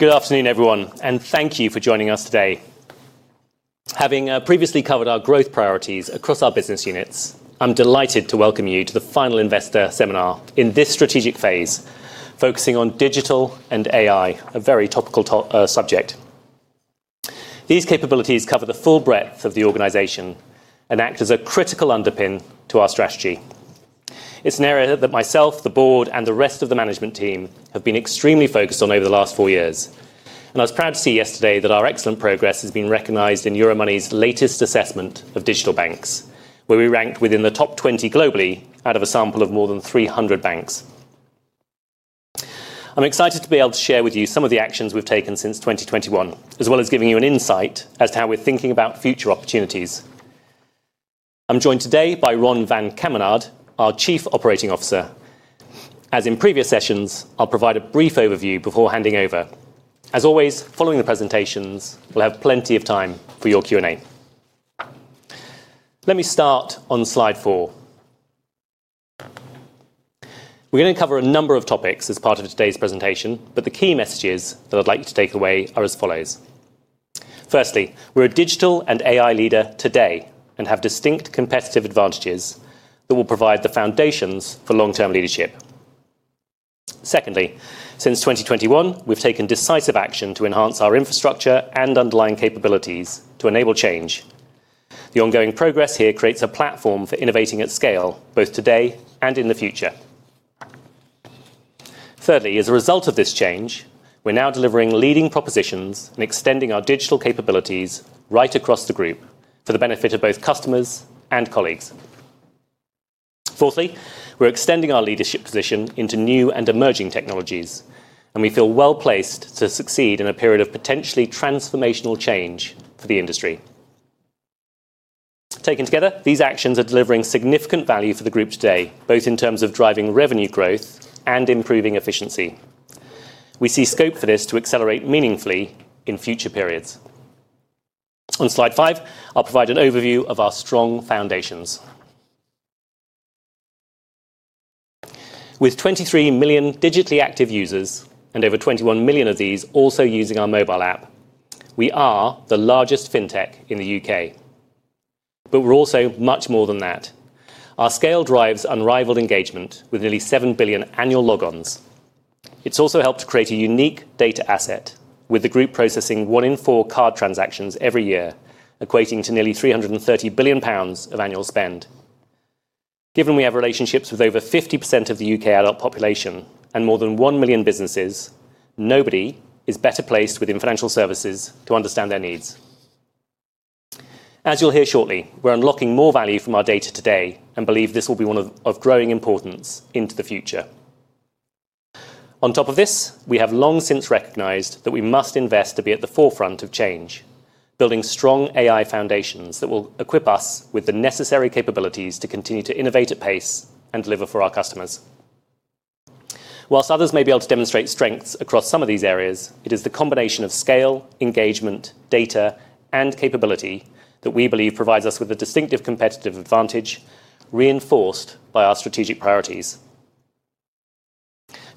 Good afternoon, everyone, and thank you for joining us today. Having previously covered our growth priorities across our business units, I'm delighted to welcome you to the final investor seminar in this strategic phase, focusing on digital and AI, a very topical subject. These capabilities cover the full breadth of the organization and act as a critical underpin to our strategy. It's an area that myself, the board, and the rest of the management team have been extremely focused on over the last four years. I was proud to see yesterday that our excellent progress has been recognized in Euromoney's latest assessment of digital banks, where we ranked within the top 20 globally out of a sample of more than 300 banks. I'm excited to be able to share with you some of the actions we've taken since 2021, as well as giving you an insight as to how we're thinking about future opportunities. I'm joined today by Ron van Kemenade, our Chief Operating Officer. As in previous sessions, I'll provide a brief overview before handing over. As always, following the presentations, we'll have plenty of time for your Q&A. Let me start on slide four. We're going to cover a number of topics as part of today's presentation, but the key messages that I'd like you to take away are as follows. Firstly, we're a digital and AI leader today and have distinct competitive advantages that will provide the foundations for long-term leadership. Secondly, since 2021, we've taken decisive action to enhance our infrastructure and underlying capabilities to enable change. The ongoing progress here creates a platform for innovating at scale, both today and in the future. Thirdly, as a result of this change, we are now delivering leading propositions and extending our digital capabilities right across the group for the benefit of both customers and colleagues. Fourthly, we are extending our leadership position into new and emerging technologies, and we feel well placed to succeed in a period of potentially transformational change for the industry. Taken together, these actions are delivering significant value for the group today, both in terms of driving revenue growth and improving efficiency. We see scope for this to accelerate meaningfully in future periods. On slide five, I will provide an overview of our strong foundations. With 23 million digitally active users and over 21 million of these also using our mobile app, we are the largest fintech in the U.K. We are also much more than that. Our scale drives unrivaled engagement with nearly 7 billion annual logons. It has also helped to create a unique data asset, with the group processing one in four card transactions every year, equating to nearly 330 billion pounds of annual spend. Given we have relationships with over 50% of the U.K. adult population and more than 1 million businesses, nobody is better placed within financial services to understand their needs. As you will hear shortly, we are unlocking more value from our data today and believe this will be one of growing importance into the future. On top of this, we have long since recognized that we must invest to be at the forefront of change, building strong AI foundations that will equip us with the necessary capabilities to continue to innovate at pace and deliver for our customers. Whilst others may be able to demonstrate strengths across some of these areas, it is the combination of scale, engagement, data, and capability that we believe provides us with a distinctive competitive advantage reinforced by our strategic priorities.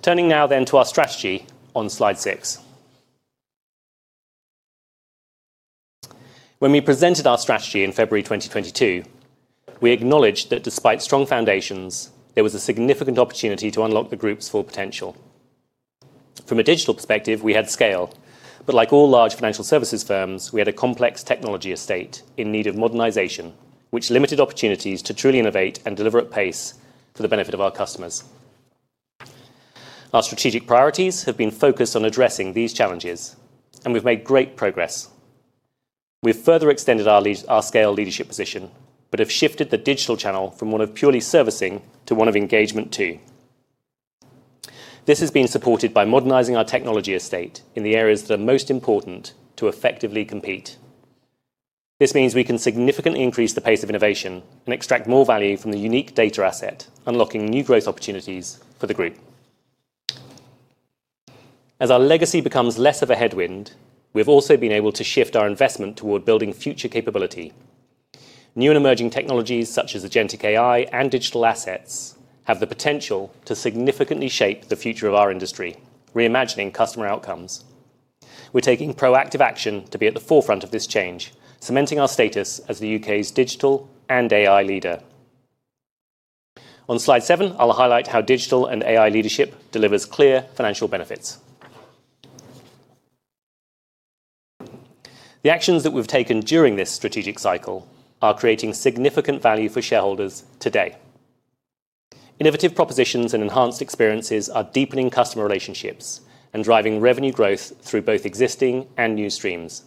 Turning now then to our strategy on slide six. When we presented our strategy in February 2022, we acknowledged that despite strong foundations, there was a significant opportunity to unlock the group's full potential. From a digital perspective, we had scale, but like all large financial services firms, we had a complex technology estate in need of modernization, which limited opportunities to truly innovate and deliver at pace for the benefit of our customers. Our strategic priorities have been focused on addressing these challenges, and we've made great progress. We've further extended our scale leadership position, but have shifted the digital channel from one of purely servicing to one of engagement too. This has been supported by modernizing our technology estate in the areas that are most important to effectively compete. This means we can significantly increase the pace of innovation and extract more value from the unique data asset, unlocking new growth opportunities for the group. As our legacy becomes less of a headwind, we have also been able to shift our investment toward building future capability. New and emerging technologies such as agentic AI and digital assets have the potential to significantly shape the future of our industry, reimagining customer outcomes. We are taking proactive action to be at the forefront of this change, cementing our status as the U.K.'s digital and AI leader. On slide seven, I will highlight how digital and AI leadership delivers clear financial benefits. The actions that we have taken during this strategic cycle are creating significant value for shareholders today. Innovative propositions and enhanced experiences are deepening customer relationships and driving revenue growth through both existing and new streams.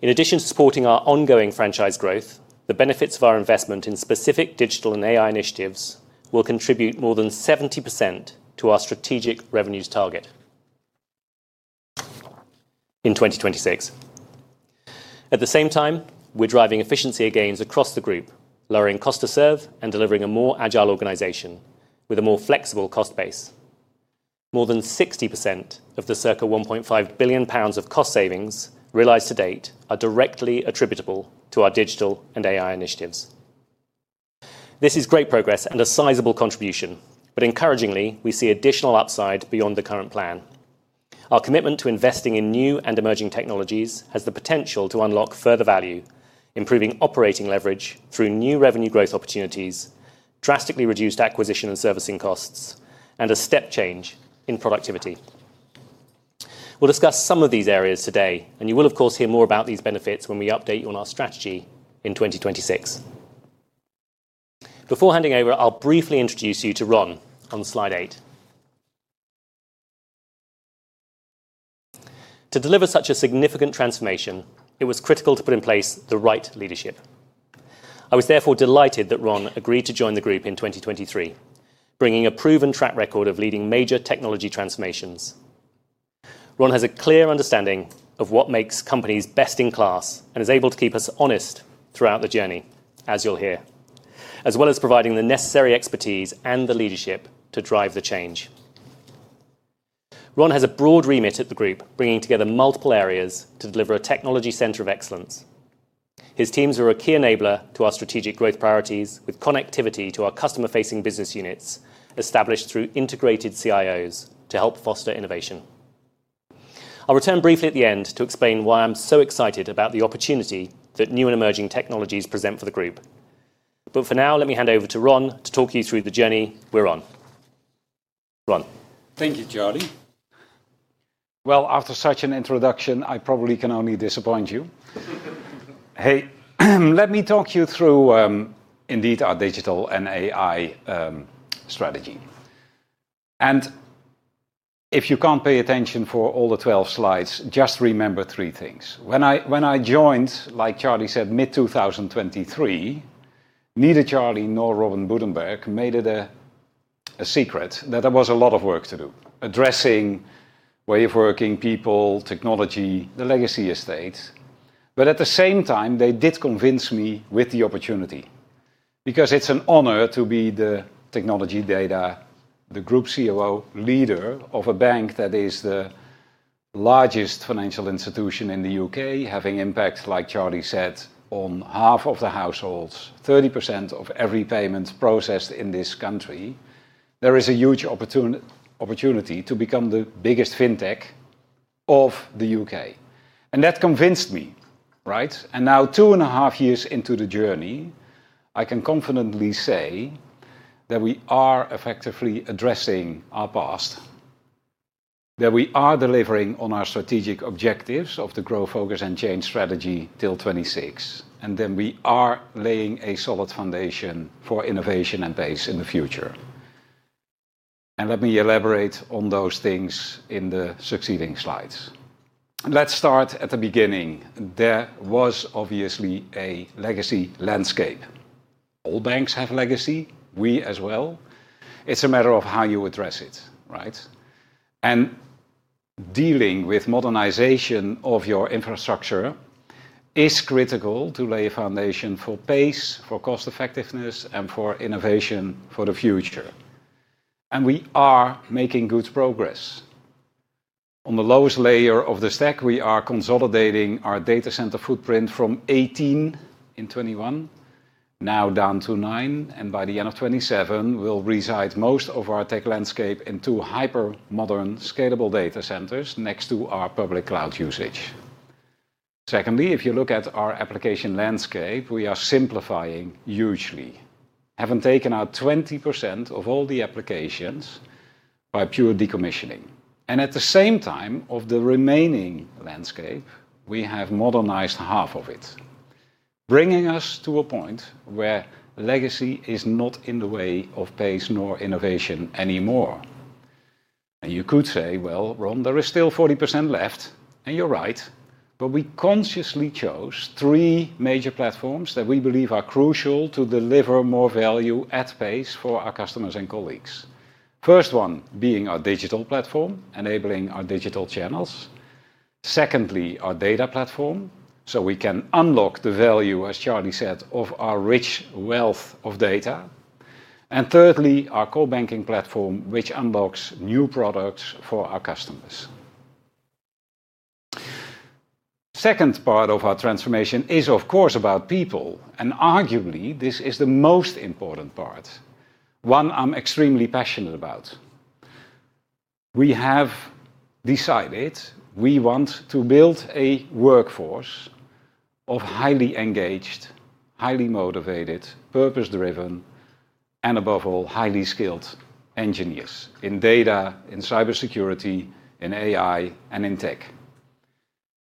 In addition to supporting our ongoing franchise growth, the benefits of our investment in specific digital and AI initiatives will contribute more than 70% to our strategic revenues target in 2026. At the same time, we're driving efficiency gains across the group, lowering cost to serve and delivering a more agile organization with a more flexible cost base. More than 60% of the circa 1.5 billion pounds of cost savings realized to date are directly attributable to our digital and AI initiatives. This is great progress and a sizable contribution, but encouragingly, we see additional upside beyond the current plan. Our commitment to investing in new and emerging technologies has the potential to unlock further value, improving operating leverage through new revenue growth opportunities, drastically reduced acquisition and servicing costs, and a step change in productivity. We will discuss some of these areas today, and you will, of course, hear more about these benefits when we update you on our strategy in 2026. Before handing over, I will briefly introduce you to Ron on slide eight. To deliver such a significant transformation, it was critical to put in place the right leadership. I was therefore delighted that Ron agreed to join the group in 2023, bringing a proven track record of leading major technology transformations. Ron has a clear understanding of what makes companies best in class and is able to keep us honest throughout the journey, as you'll hear, as well as providing the necessary expertise and the leadership to drive the change. Ron has a broad remit at the group, bringing together multiple areas to deliver a technology center of excellence. His teams are a key enabler to our strategic growth priorities, with connectivity to our customer-facing business units established through integrated CIOs to help foster innovation. I'll return briefly at the end to explain why I'm so excited about the opportunity that new and emerging technologies present for the group. For now, let me hand over to Ron to talk you through the journey we're on. Ron. Thank you, Charlie. After such an introduction, I probably can only disappoint you. Hey, let me talk you through. Indeed our digital and AI strategy. If you cannot pay attention for all the 12 slides, just remember three things. When I joined, like Charlie said, mid-2023. Neither Charlie nor Robin Budenberg made it a secret that there was a lot of work to do, addressing way of working, people, technology, the legacy estate. At the same time, they did convince me with the opportunity because it is an honor to be the technology data, the Group COO leader of a bank that is the largest financial institution in the U.K., having impact, like Charlie said, on half of the households, 30% of every payment processed in this country. There is a huge opportunity to become the biggest fintech of the U.K. That convinced me, right? Two and a half years into the journey, I can confidently say that we are effectively addressing our past. We are delivering on our strategic objectives of the growth, focus, and change strategy till 2026. We are laying a solid foundation for innovation and pace in the future. Let me elaborate on those things in the succeeding slides. Let's start at the beginning. There was obviously a legacy landscape. All banks have legacy. We as well. It's a matter of how you address it, right? Dealing with modernization of your infrastructure is critical to lay a foundation for pace, for cost effectiveness, and for innovation for the future. We are making good progress. On the lowest layer of the stack, we are consolidating our data center footprint from 18 in 2021 now down to nine. By the end of 2027, we will reside most of our tech landscape in two hyper-modern, scalable data centers next to our public cloud usage. Secondly, if you look at our application landscape, we are simplifying hugely, having taken out 20% of all the applications by pure decommissioning. At the same time, of the remaining landscape, we have modernized half of it, bringing us to a point where legacy is not in the way of pace nor innovation anymore. You could say, well, Ron, there is still 40% left, and you are right. We consciously chose three major platforms that we believe are crucial to deliver more value at pace for our customers and colleagues. The first one being our digital platform, enabling our digital channels. Secondly, our data platform, so we can unlock the value, as Charlie said, of our rich wealth of data. Thirdly, our co-banking platform, which unlocks new products for our customers. The second part of our transformation is, of course, about people. Arguably, this is the most important part. One I'm extremely passionate about. We have decided we want to build a workforce of highly engaged, highly motivated, purpose-driven, and above all, highly skilled engineers in data, in cybersecurity, in AI, and in tech.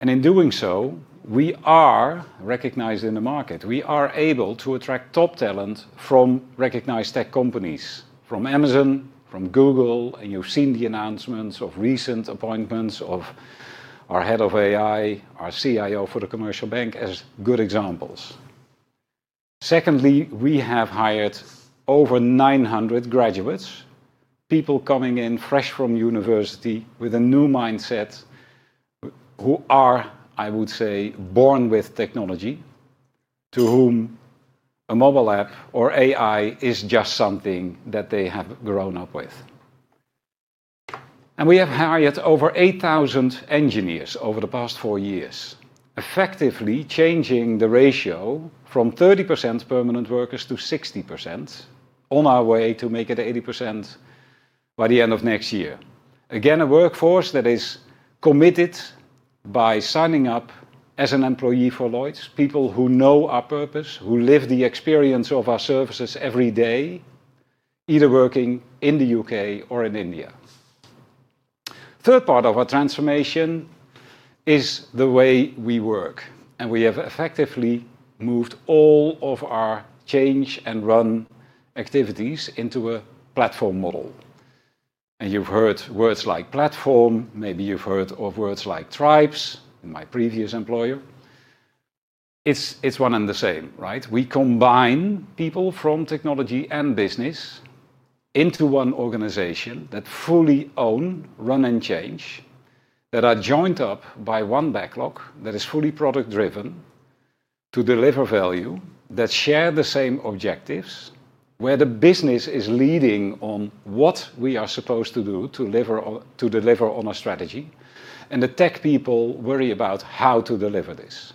In doing so, we are recognized in the market. We are able to attract top talent from recognized tech companies, from Amazon, from Google. You've seen the announcements of recent appointments of our head of AI, our CIO for the commercial bank as good examples. Secondly, we have hired over 900 graduates, people coming in fresh from university with a new mindset, who are, I would say, born with technology, to whom a mobile app or AI is just something that they have grown up with. We have hired over 8,000 engineers over the past four years, effectively changing the ratio from 30% permanent workers to 60%, on our way to make it 80% by the end of next year. Again, a workforce that is committed by signing up as an employee for Lloyds, people who know our purpose, who live the experience of our services every day, either working in the U.K. or in India. The third part of our transformation is the way we work. We have effectively moved all of our change and run activities into a platform model. You have heard words like platform. Maybe you've heard of words like tribes in my previous employer. It's one and the same, right? We combine people from technology and business into one organization that fully own, run, and change, that are joined up by one backlog that is fully product-driven to deliver value, that share the same objectives, where the business is leading on what we are supposed to do to deliver on our strategy. The tech people worry about how to deliver this.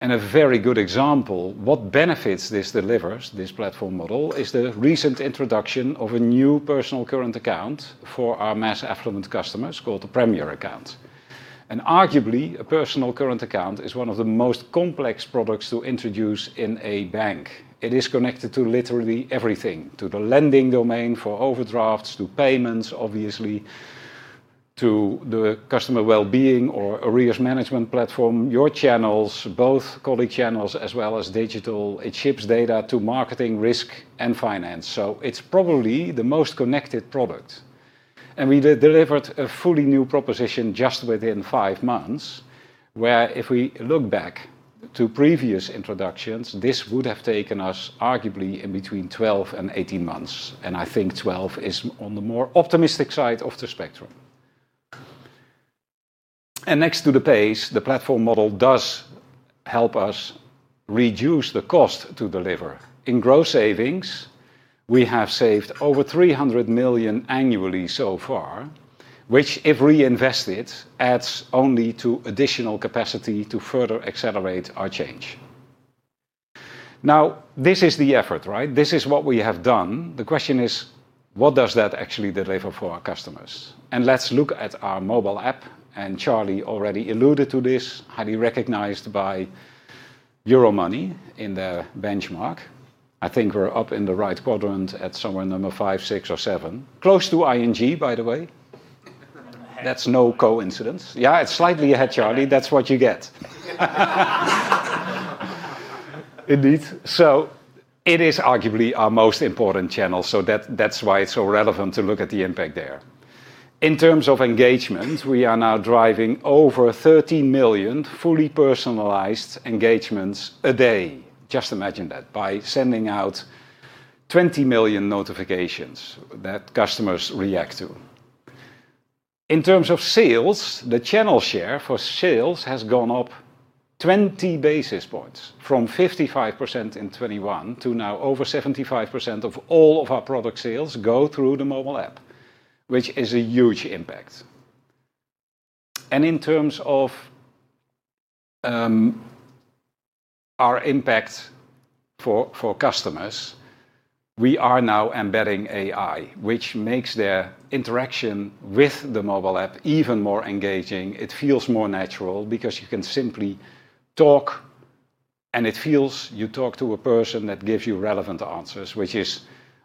A very good example of what benefits this delivers, this platform model, is the recent introduction of a new personal current account for our mass affluent customers called the Premier Account. Arguably, a personal current account is one of the most complex products to introduce in a bank. It is connected to literally everything, to the lending domain for overdrafts, to payments, obviously. To the customer well-being or arrears management platform, your channels, both colleague channels as well as digital. It ships data to marketing, risk, and finance. It is probably the most connected product. We delivered a fully new proposition just within five months, where if we look back to previous introductions, this would have taken us arguably between 12 and 18 months. I think 12 is on the more optimistic side of the spectrum. Next to the pace, the platform model does help us reduce the cost to deliver. In gross savings, we have saved over 300 million annually so far, which, if reinvested, adds only to additional capacity to further accelerate our change. This is the effort, right? This is what we have done. The question is, what does that actually deliver for our customers? Let us look at our mobile app. Charlie already alluded to this, highly recognized by Euromoney in the benchmark. I think we're up in the right quadrant at somewhere number five, six, or seven. Close to ING, by the way. That's no coincidence. Yeah, it's slightly ahead, Charlie. That's what you get. Indeed. It is arguably our most important channel. That's why it's so relevant to look at the impact there. In terms of engagement, we are now driving over 13 million fully personalized engagements a day. Just imagine that by sending out 20 million notifications that customers react to. In terms of sales, the channel share for sales has gone up 20 basis points from 55% in 2021 to now over 75% of all of our product sales go through the mobile app, which is a huge impact. In terms of. Our impact for customers, we are now embedding AI, which makes their interaction with the mobile app even more engaging. It feels more natural because you can simply talk. It feels you talk to a person that gives you relevant answers, which is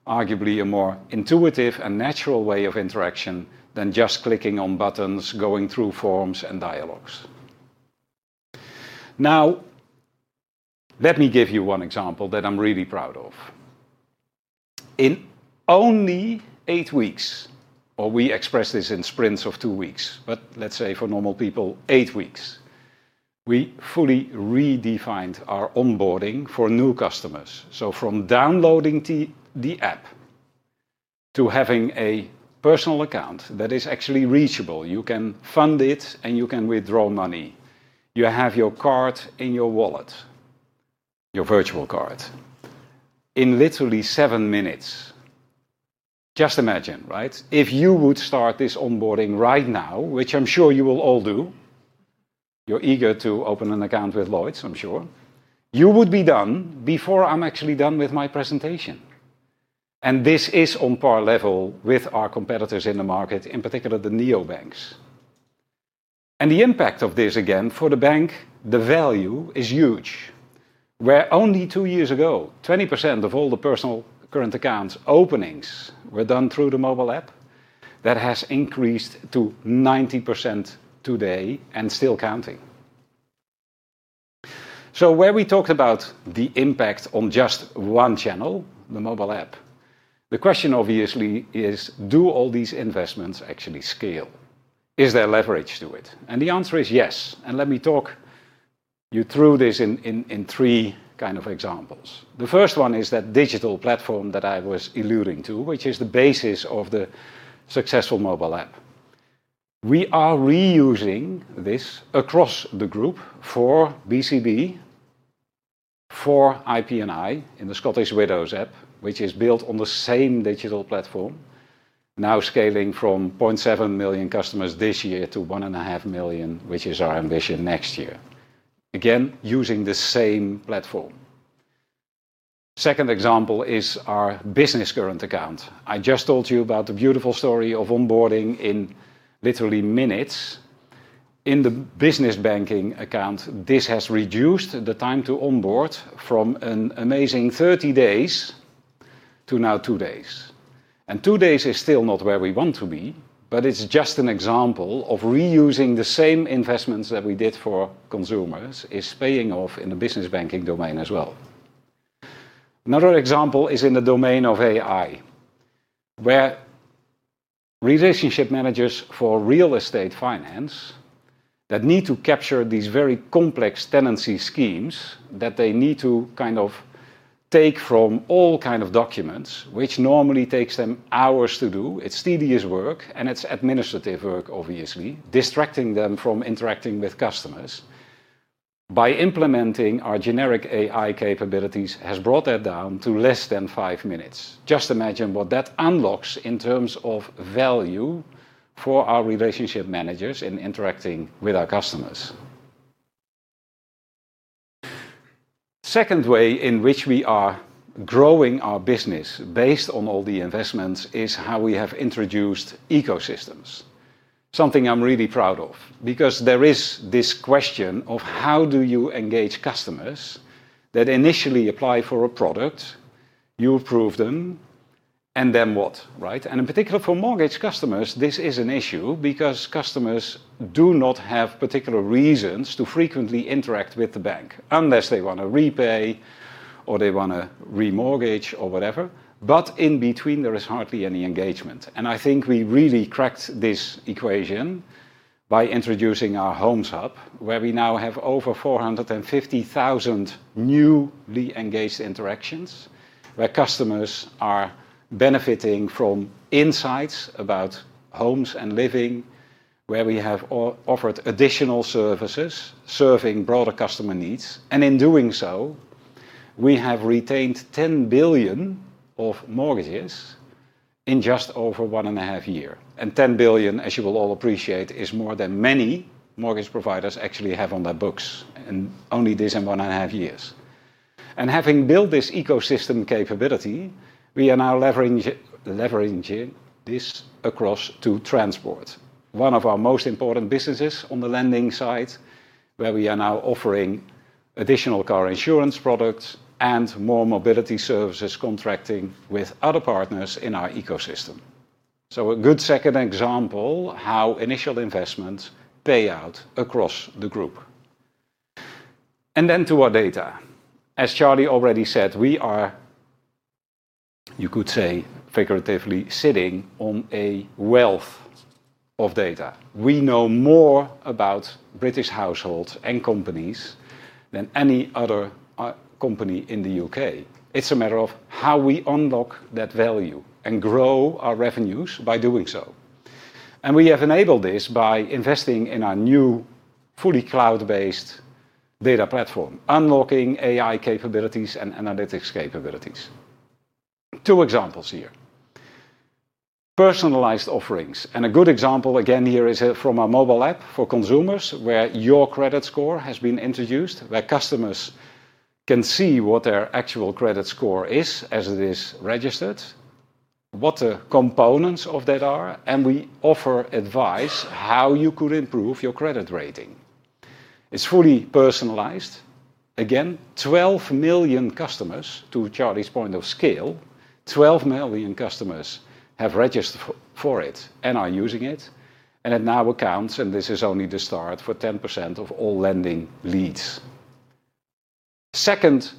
arguably a more intuitive and natural way of interaction than just clicking on buttons, going through forms and dialogues. Now, let me give you one example that I'm really proud of. In only eight weeks, or we express this in sprints of two weeks, but let's say for normal people, eight weeks, we fully redefined our onboarding for new customers. From downloading the app to having a personal account that is actually reachable, you can fund it and you can withdraw money. You have your card in your wallet, your virtual card, in literally seven minutes. Just imagine, right? If you would start this onboarding right now, which I'm sure you will all do. You're eager to open an account with Lloyds, I'm sure. You would be done before I'm actually done with my presentation. This is on par level with our competitors in the market, in particular the neobanks. The impact of this, again, for the bank, the value is huge, where only two years ago, 20% of all the personal current account openings were done through the mobile app. That has increased to 90% today and still counting. Where we talked about the impact on just one channel, the mobile app, the question obviously is, do all these investments actually scale? Is there leverage to it? The answer is yes. Let me talk you through this in three kind of examples. The first one is that digital platform that I was alluding to, which is the basis of the successful mobile app. We are reusing this across the group for BCB, for IP&I in the Scottish Widows app, which is built on the same digital platform. Now scaling from 700,000 customers this year to 1.5 million, which is our ambition next year. Again, using the same platform. Second example is our business current account. I just told you about the beautiful story of onboarding in literally minutes. In the business banking account, this has reduced the time to onboard from an amazing 30 days to now two days. Two days is still not where we want to be, but it is just an example of reusing the same investments that we did for consumers is paying off in the business banking domain as well. Another example is in the domain of AI, where relationship managers for real estate finance that need to capture these very complex tenancy schemes that they need to kind of take from all kinds of documents, which normally takes them hours to do. It's tedious work and it's administrative work, obviously distracting them from interacting with customers. By implementing our generic AI capabilities, it has brought that down to less than five minutes. Just imagine what that unlocks in terms of value for our relationship managers in interacting with our customers. The second way in which we are growing our business based on all the investments is how we have introduced ecosystems. Something I'm really proud of because there is this question of how do you engage customers that initially apply for a product, you approve them, and then what, right? In particular for mortgage customers, this is an issue because customers do not have particular reasons to frequently interact with the bank unless they want to repay or they want to remortgage or whatever. In between, there is hardly any engagement. I think we really cracked this equation by introducing our Homes Hub, where we now have over 450,000 newly engaged interactions where customers are benefiting from insights about homes and living, where we have offered additional services serving broader customer needs. In doing so, we have retained 10 billion of mortgages in just over one and a half years. 10 billion, as you will all appreciate, is more than many mortgage providers actually have on their books in only this one and a half years. Having built this ecosystem capability, we are now leveraging this across to transport. One of our most important businesses on the lending side, where we are now offering additional car insurance products and more mobility services, contracting with other partners in our ecosystem. A good second example of how initial investments pay out across the group. To our data. As Charlie already said, we are, you could say figuratively, sitting on a wealth of data. We know more about British households and companies than any other company in the U.K. It is a matter of how we unlock that value and grow our revenues by doing so. We have enabled this by investing in our new fully cloud-based data platform, unlocking AI capabilities and analytics capabilities. Two examples here. Personalized offerings. A good example again here is from our mobile app for consumers, where your credit score has been introduced, where customers can see what their actual credit score is as it is registered. What the components of that are, and we offer advice on how you could improve your credit rating. It's fully personalized. Again, 12 million customers, to Charlie's point of scale, 12 million customers have registered for it and are using it. It now accounts, and this is only the start, for 10% of all lending leads. Second,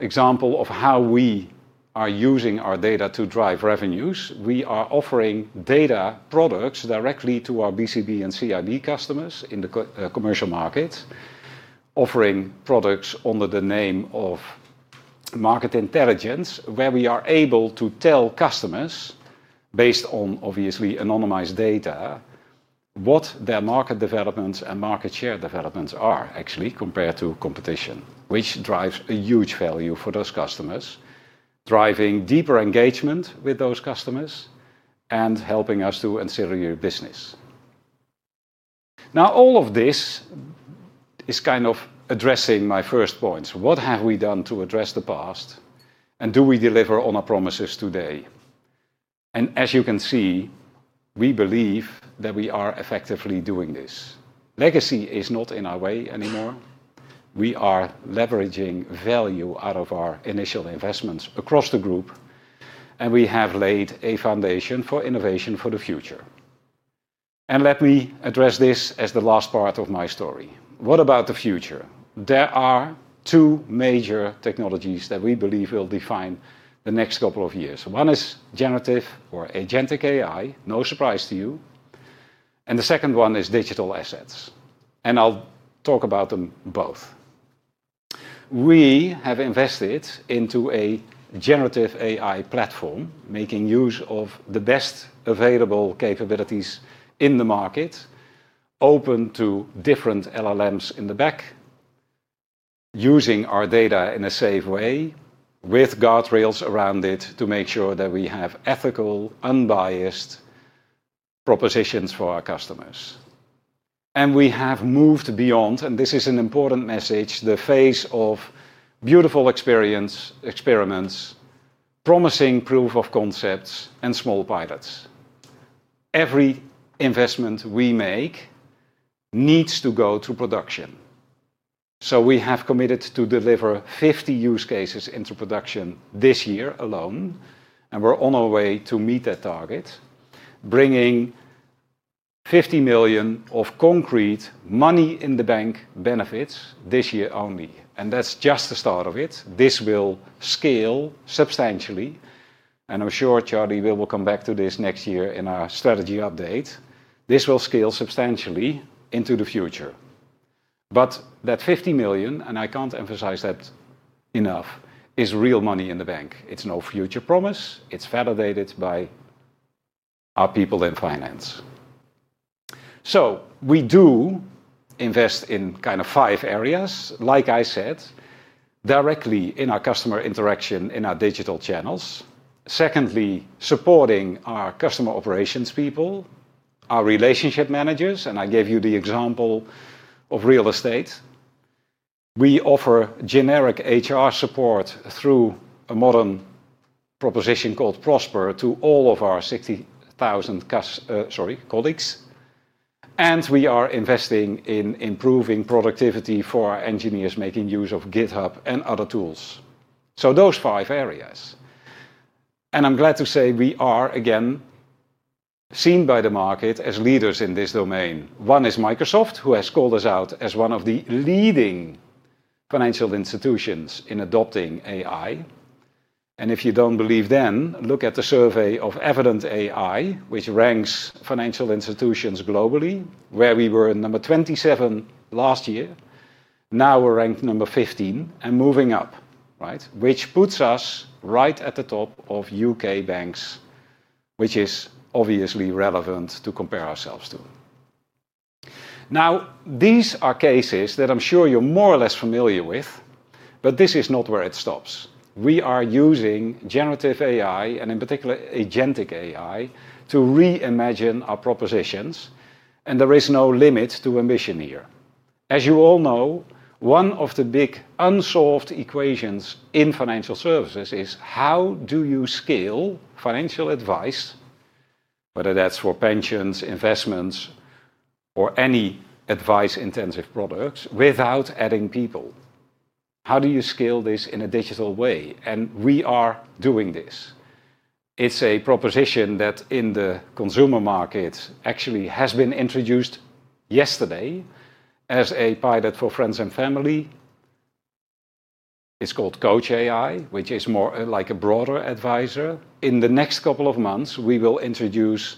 example of how we are using our data to drive revenues. We are offering data products directly to our BCB and CIB customers in the commercial market. Offering products under the name of. Market Intelligence, where we are able to tell customers, based on obviously anonymized data, what their market developments and market share developments are actually compared to competition, which drives a huge value for those customers, driving deeper engagement with those customers and helping us to insure your business. Now, all of this is kind of addressing my first points. What have we done to address the past? And do we deliver on our promises today? As you can see, we believe that we are effectively doing this. Legacy is not in our way anymore. We are leveraging value out of our initial investments across the group. We have laid a foundation for innovation for the future. Let me address this as the last part of my story. What about the future? There are two major technologies that we believe will define the next couple of years. One is generative or agentic AI, no surprise to you. The second one is digital assets. I'll talk about them both. We have invested into a generative AI platform, making use of the best available capabilities in the market. Open to different LLMs in the back. Using our data in a safe way, with guardrails around it to make sure that we have ethical, unbiased propositions for our customers. We have moved beyond, and this is an important message, the phase of beautiful experience, experiments, promising proof of concepts, and small pilots. Every investment we make needs to go to production. We have committed to deliver 50 use cases into production this year alone, and we're on our way to meet that target, bringing 50 million of concrete money-in-the-bank benefits this year only. That's just the start of it. This will scale substantially. I'm sure Charlie will come back to this next year in our strategy update. This will scale substantially into the future. That 50 million, and I can't emphasize that enough, is real money in the bank. It's no future promise. It's validated by our people in finance. We do invest in kind of five areas, like I said. Directly in our customer interaction in our digital channels. Secondly, supporting our customer operations people. Our relationship managers. I gave you the example of real estate. We offer generic HR support through a modern proposition called Prosper to all of our 60,000 colleagues. We are investing in improving productivity for our engineers, making use of GitHub and other tools. Those five areas. I'm glad to say we are again seen by the market as leaders in this domain. One is Microsoft, who has called us out as one of the leading financial institutions in adopting AI. If you do not believe, then look at the survey of Evident AI, which ranks financial institutions globally, where we were number 27 last year. Now we are ranked number 15 and moving up, right? Which puts us right at the top of U.K. banks, which is obviously relevant to compare ourselves to. These are cases that I am sure you are more or less familiar with, but this is not where it stops. We are using generative AI, and in particular agentic AI, to reimagine our propositions. There is no limit to ambition here. As you all know, one of the big unsolved equations in financial services is how do you scale financial advice. Whether that is for pensions, investments, or any advice-intensive products, without adding people? How do you scale this in a digital way? We are doing this. It is a proposition that in the consumer market actually has been introduced yesterday as a pilot for friends and family. It is called Coach AI, which is more like a broader advisor. In the next couple of months, we will introduce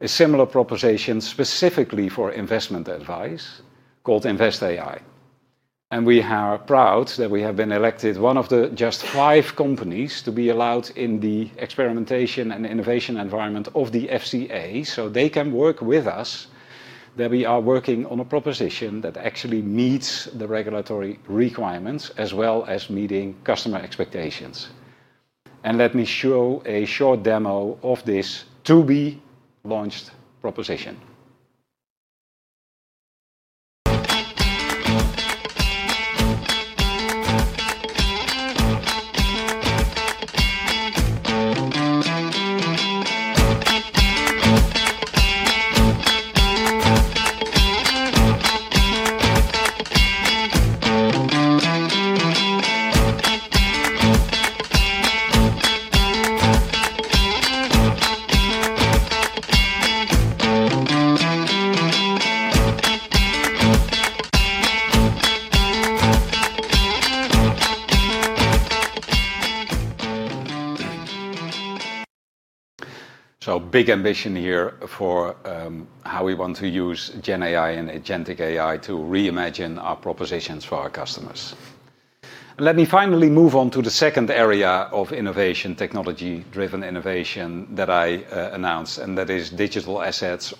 a similar proposition specifically for investment advice called Invest AI. We are proud that we have been elected one of just five companies to be allowed in the experimentation and innovation environment of the FCA, so they can work with us. We are working on a proposition that actually meets the regulatory requirements as well as meeting customer expectations. Let me show a short demo of this to-be launched proposition. Big ambition here for how we want to use GenAI and agentic AI to reimagine our propositions for our customers. Let me finally move on to the second area of innovation, technology-driven innovation that I announced, and that is digital assets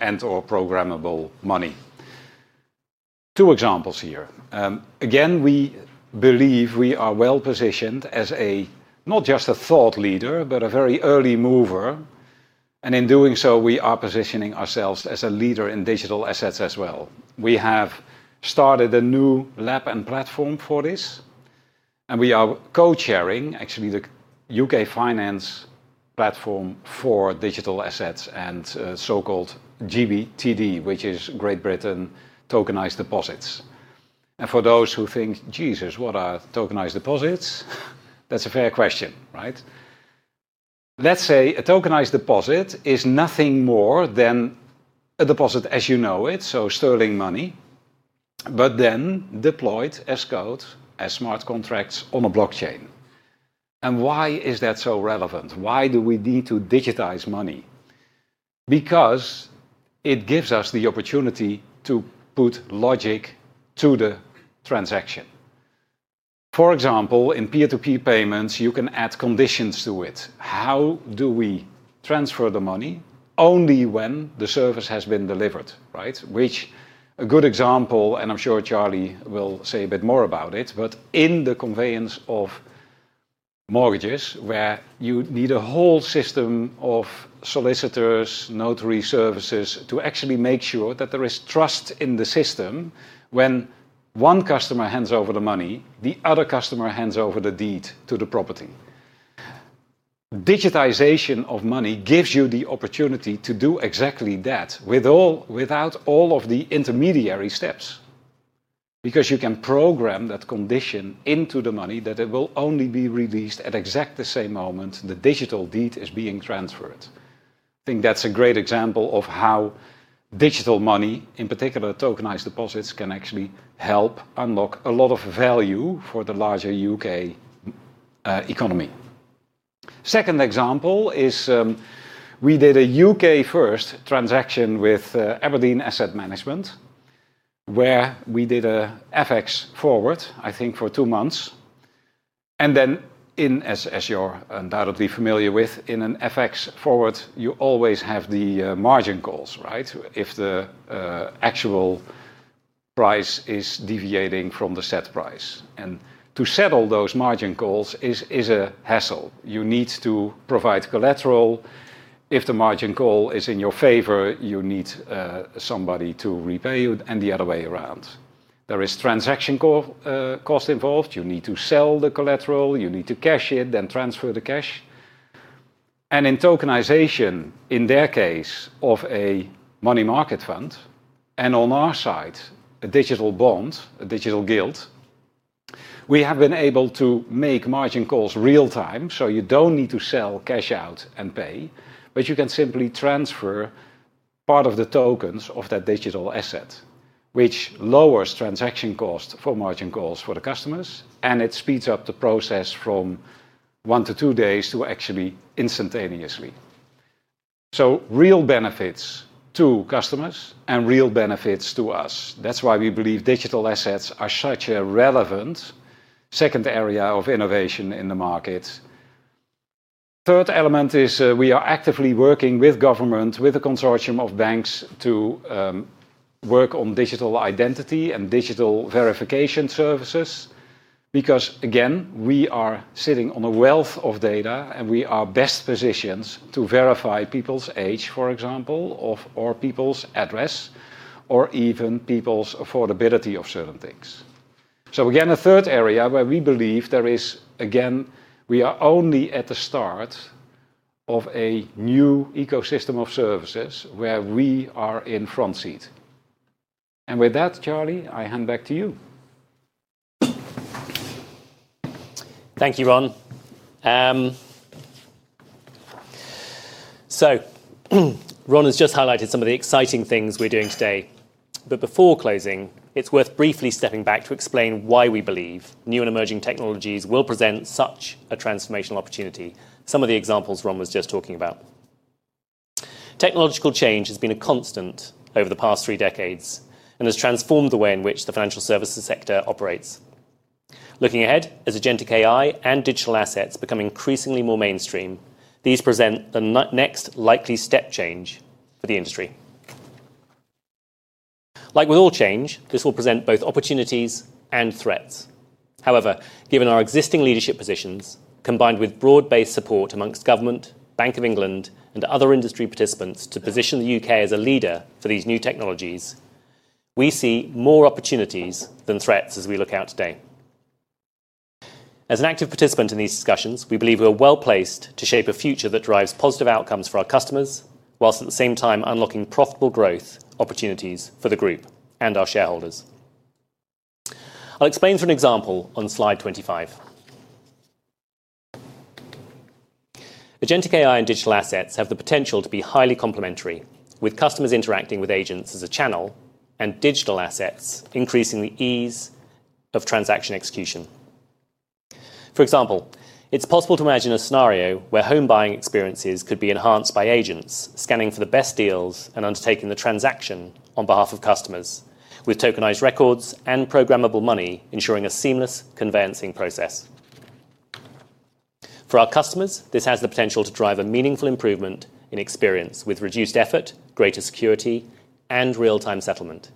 and/or programmable money. Two examples here. Again, we believe we are well positioned as not just a thought leader, but a very early mover. In doing so, we are positioning ourselves as a leader in digital assets as well. We have started a new lab and platform for this. We are co-chairing, actually, the UK Finance platform for digital assets and so-called GBTD, which is Great Britain Tokenized Deposits. For those who think, "Jesus, what are tokenized deposits?" That is a fair question, right? Let's say a tokenized deposit is nothing more than a deposit as you know it, so sterling money, but then deployed as code, as smart contracts on a blockchain. Why is that so relevant? Why do we need to digitize money? Because it gives us the opportunity to put logic to the transaction. For example, in peer-to-peer payments, you can add conditions to it. How do we transfer the money? Only when the service has been delivered, right? Which is a good example, and I'm sure Charlie will say a bit more about it, but in the conveyance of mortgages, where you need a whole system of solicitors, notary services to actually make sure that there is trust in the system when one customer hands over the money, the other customer hands over the deed to the property. Digitization of money gives you the opportunity to do exactly that without all of the intermediary steps. Because you can program that condition into the money that it will only be released at exactly the same moment the digital deed is being transferred. I think that's a great example of how. Digital money, in particular tokenized deposits, can actually help unlock a lot of value for the larger U.K. economy. Second example is, we did a U.K.-first transaction with Aberdeen Asset Management, where we did an FX forward, I think, for two months. As you're undoubtedly familiar with, in an FX forward, you always have the margin calls, right? If the actual price is deviating from the set price, and to settle those margin calls is a hassle. You need to provide collateral. If the margin call is in your favor, you need somebody to repay you, and the other way around. There is transaction cost involved. You need to sell the collateral. You need to cash it, then transfer the cash. In tokenization, in their case, of a money market fund, and on our side, a digital bond, a digital gilt. We have been able to make margin calls real-time, so you do not need to sell, cash out, and pay. You can simply transfer part of the tokens of that digital asset, which lowers transaction cost for margin calls for the customers, and it speeds up the process from one to two days to actually instantaneously. Real benefits to customers and real benefits to us. That is why we believe digital assets are such a relevant second area of innovation in the market. Third element is we are actively working with government, with a consortium of banks to work on digital identity and digital verification services. Because, again, we are sitting on a wealth of data, and we are best positioned to verify people's age, for example, or people's address, or even people's affordability of certain things. Again, a third area where we believe there is, again, we are only at the start of a new ecosystem of services where we are in front seat. With that, Charlie, I hand back to you. Thank you, Ron. Ron has just highlighted some of the exciting things we're doing today. Before closing, it's worth briefly stepping back to explain why we believe new and emerging technologies will present such a transformational opportunity. Some of the examples Ron was just talking about. Technological change has been a constant over the past three decades and has transformed the way in which the financial services sector operates. Looking ahead, as agentic AI and digital assets become increasingly more mainstream, these present the next likely step change for the industry. Like with all change, this will present both opportunities and threats. However, given our existing leadership positions, combined with broad-based support among government, Bank of England, and other industry participants to position the U.K. as a leader for these new technologies, we see more opportunities than threats as we look out today. As an active participant in these discussions, we believe we are well placed to shape a future that drives positive outcomes for our customers, whilst at the same time unlocking profitable growth opportunities for the group and our shareholders. I'll explain through an example on slide 25. Agentic AI and digital assets have the potential to be highly complementary, with customers interacting with agents as a channel and digital assets increasing the ease of transaction execution. For example, it's possible to imagine a scenario where home buying experiences could be enhanced by agents scanning for the best deals and undertaking the transaction on behalf of customers, with tokenized records and programmable money ensuring a seamless conveyancing process. For our customers, this has the potential to drive a meaningful improvement in experience with reduced effort, greater security, and real-time settlement.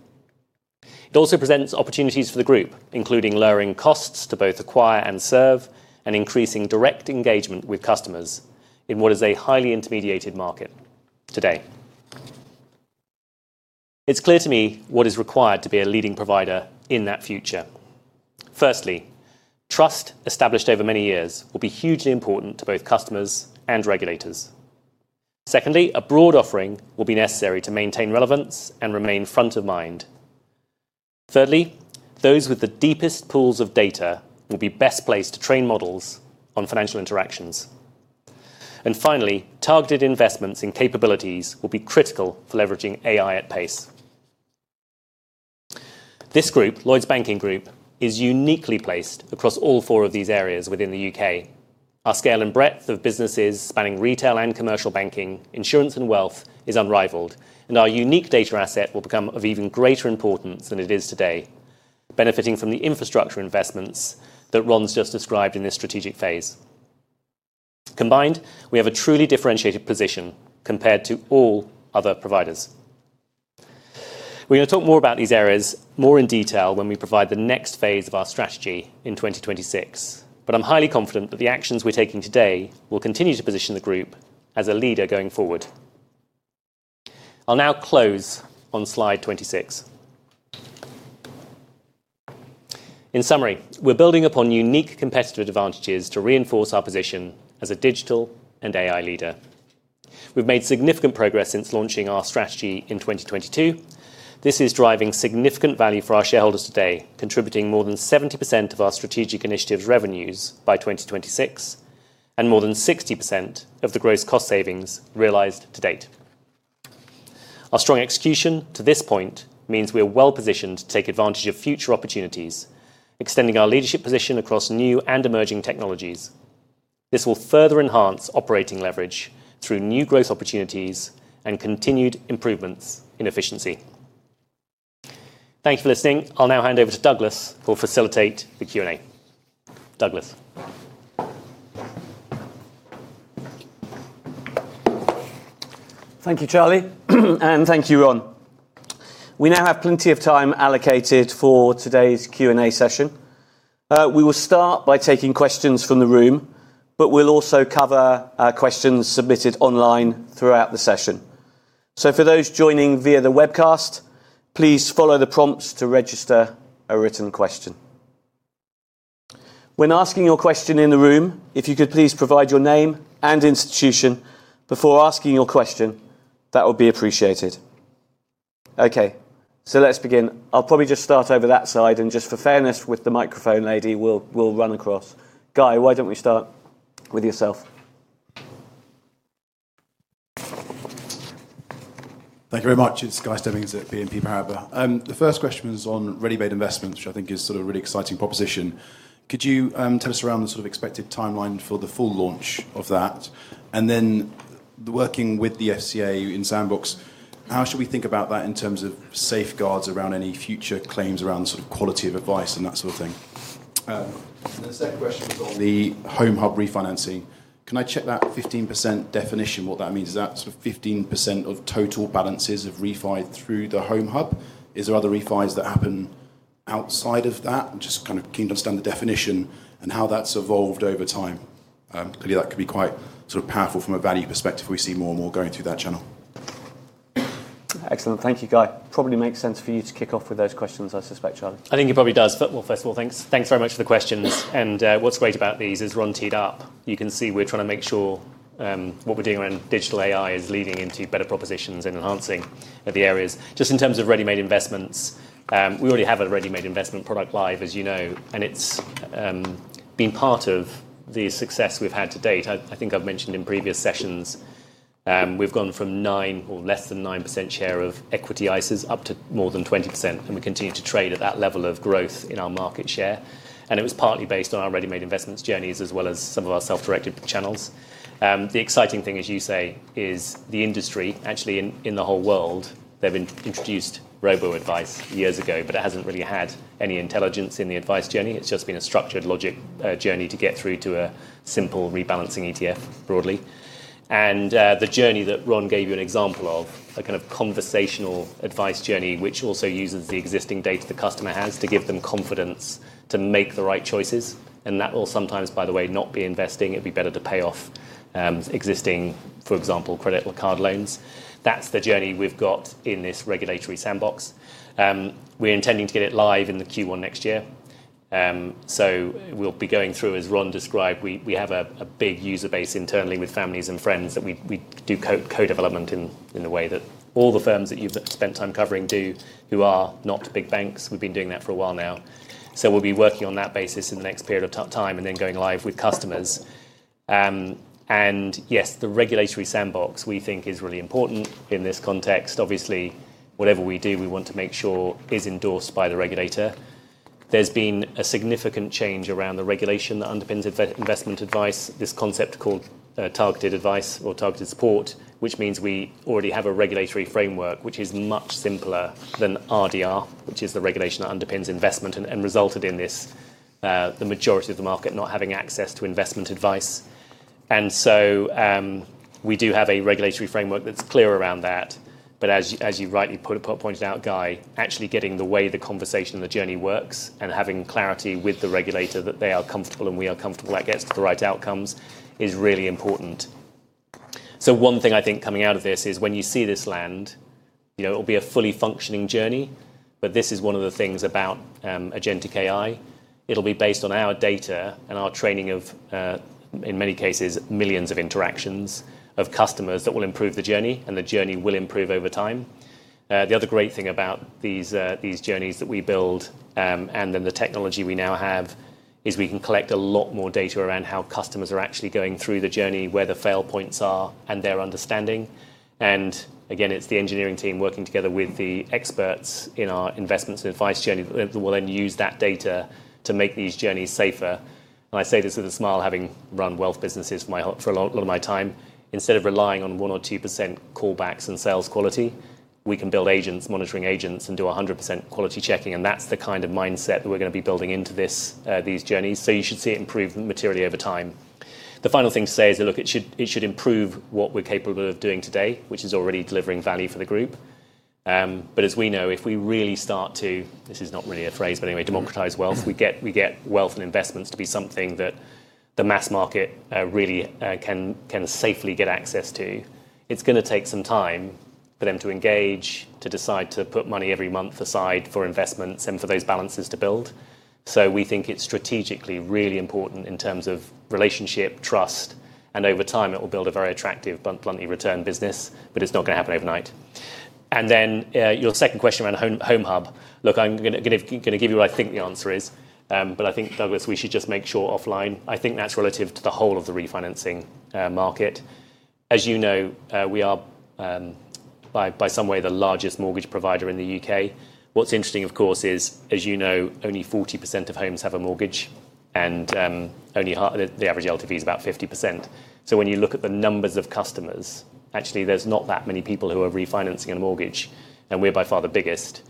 It also presents opportunities for the group, including lowering costs to both acquire and serve, and increasing direct engagement with customers in what is a highly intermediated market today. It's clear to me what is required to be a leading provider in that future. Firstly, trust established over many years will be hugely important to both customers and regulators. Secondly, a broad offering will be necessary to maintain relevance and remain front of mind. Thirdly, those with the deepest pools of data will be best placed to train models on financial interactions. Finally, targeted investments in capabilities will be critical for leveraging AI at pace. This group, Lloyds Banking Group, is uniquely placed across all four of these areas within the U.K. Our scale and breadth of businesses spanning retail and commercial banking, insurance, and wealth is unrivaled, and our unique data asset will become of even greater importance than it is today, benefiting from the infrastructure investments that Ron's just described in this strategic phase. Combined, we have a truly differentiated position compared to all other providers. We are going to talk more about these areas more in detail when we provide the next phase of our strategy in 2026, but I'm highly confident that the actions we are taking today will continue to position the group as a leader going forward. I'll now close on slide 26. In summary, we're building upon unique competitive advantages to reinforce our position as a digital and AI leader. We've made significant progress since launching our strategy in 2022. This is driving significant value for our shareholders today, contributing more than 70% of our strategic initiatives' revenues by 2026 and more than 60% of the gross cost savings realized to date. Our strong execution to this point means we are well positioned to take advantage of future opportunities, extending our leadership position across new and emerging technologies. This will further enhance operating leverage through new growth opportunities and continued improvements in efficiency. Thank you for listening. I'll now hand over to Douglas to facilitate the Q&A. Douglas. Thank you, Charlie, and thank you, Ron. We now have plenty of time allocated for today's Q&A session. We will start by taking questions from the room, but we'll also cover questions submitted online throughout the session. For those joining via the webcast, please follow the prompts to register a written question. When asking your question in the room, if you could please provide your name and institution before asking your question, that would be appreciated. Okay, let's begin. I'll probably just start over that side, and just for fairness with the microphone lady, we'll run across. Guy, why don't we start with yourself? Thank you very much. It's Guy Stebbings at BNP Paribas. The first question is on ready-made investments, which I think is sort of a really exciting proposition. Could you tell us around the sort of expected timeline for the full launch of that? Then working with the FCA in sandbox, how should we think about that in terms of safeguards around any future claims around the sort of quality of advice and that sort of thing? The second question was on the Home Hub refinancing. Can I check that 15% definition? What that means is that sort of 15% of total balances of refi through the Home Hub? Is there other refis that happen outside of that? I'm just kind of keen to understand the definition and how that's evolved over time. Clearly, that could be quite sort of powerful from a value perspective if we see more and more going through that channel. Excellent. Thank you, Guy. Probably makes sense for you to kick off with those questions, I suspect, Charlie. I think it probably does. First of all, thanks. Thanks very much for the questions. What is great about these, as Ron teed up, you can see we are trying to make sure what we are doing around digital AI is leading into better propositions and enhancing the areas. Just in terms of ready-made investments, we already have a ready-made investment product live, as you know, and it has been part of the success we have had to date. I think I have mentioned in previous sessions, we have gone from 9% or less than 9% share of equity ISAs up to more than 20%, and we continue to trade at that level of growth in our market share. It was partly based on our ready-made investments journeys as well as some of our self-directed channels. The exciting thing, as you say, is the industry, actually in the whole world, they have introduced robo-advice years ago, but it has not really had any intelligence in the advice journey. It's just been a structured logic journey to get through to a simple rebalancing ETF broadly. The journey that Ron gave you an example of, a kind of conversational advice journey, which also uses the existing data the customer has to give them confidence to make the right choices. That will sometimes, by the way, not be investing. It would be better to pay off existing, for example, credit or card loans. That's the journey we've got in this regulatory sandbox. We're intending to get it live in Q1 next year. We'll be going through, as Ron described, we have a big user base internally with families and friends that we do co-development in the way that all the firms that you've spent time covering do, who are not big banks. We've been doing that for a while now. We will be working on that basis in the next period of time and then going live with customers. Yes, the regulatory sandbox, we think, is really important in this context. Obviously, whatever we do, we want to make sure is endorsed by the regulator. There has been a significant change around the regulation that underpins investment advice, this concept called targeted advice or targeted support, which means we already have a regulatory framework which is much simpler than RDR, which is the regulation that underpins investment and resulted in the majority of the market not having access to investment advice. We do have a regulatory framework that is clear around that. As you rightly pointed out, Guy, actually getting the way the conversation and the journey works and having clarity with the regulator that they are comfortable and we are comfortable that gets to the right outcomes is really important. One thing I think coming out of this is when you see this land. It'll be a fully functioning journey, but this is one of the things about agentic AI. It'll be based on our data and our training of, in many cases, millions of interactions of customers that will improve the journey, and the journey will improve over time. The other great thing about these journeys that we build and then the technology we now have is we can collect a lot more data around how customers are actually going through the journey, where the fail points are, and their understanding. It is the engineering team working together with the experts in our investments and advice journey that will then use that data to make these journeys safer. I say this with a smile, having run wealth businesses for a lot of my time. Instead of relying on 1% or 2% callbacks and sales quality, we can build agents, monitoring agents, and do 100% quality checking. That is the kind of mindset that we are going to be building into these journeys. You should see it improve materially over time. The final thing to say is, it should improve what we are capable of doing today, which is already delivering value for the group. As we know, if we really start to, this is not really a phrase, but anyway, democratize wealth, we get wealth and investments to be something that the mass market really can safely get access to. It is going to take some time for them to engage, to decide to put money every month aside for investments and for those balances to build. We think it is strategically really important in terms of relationship, trust, and over time, it will build a very attractive, bluntly returned business, but it is not going to happen overnight. Your second question around Home Hub, look, I am going to give you what I think the answer is, but I think, Douglas, we should just make sure offline. I think that is relative to the whole of the refinancing market. As you know, we are by some way the largest mortgage provider in the U.K. What's interesting, of course, is, as you know, only 40% of homes have a mortgage, and only the average LTV is about 50%. When you look at the numbers of customers, actually, there's not that many people who are refinancing a mortgage, and we're by far the biggest.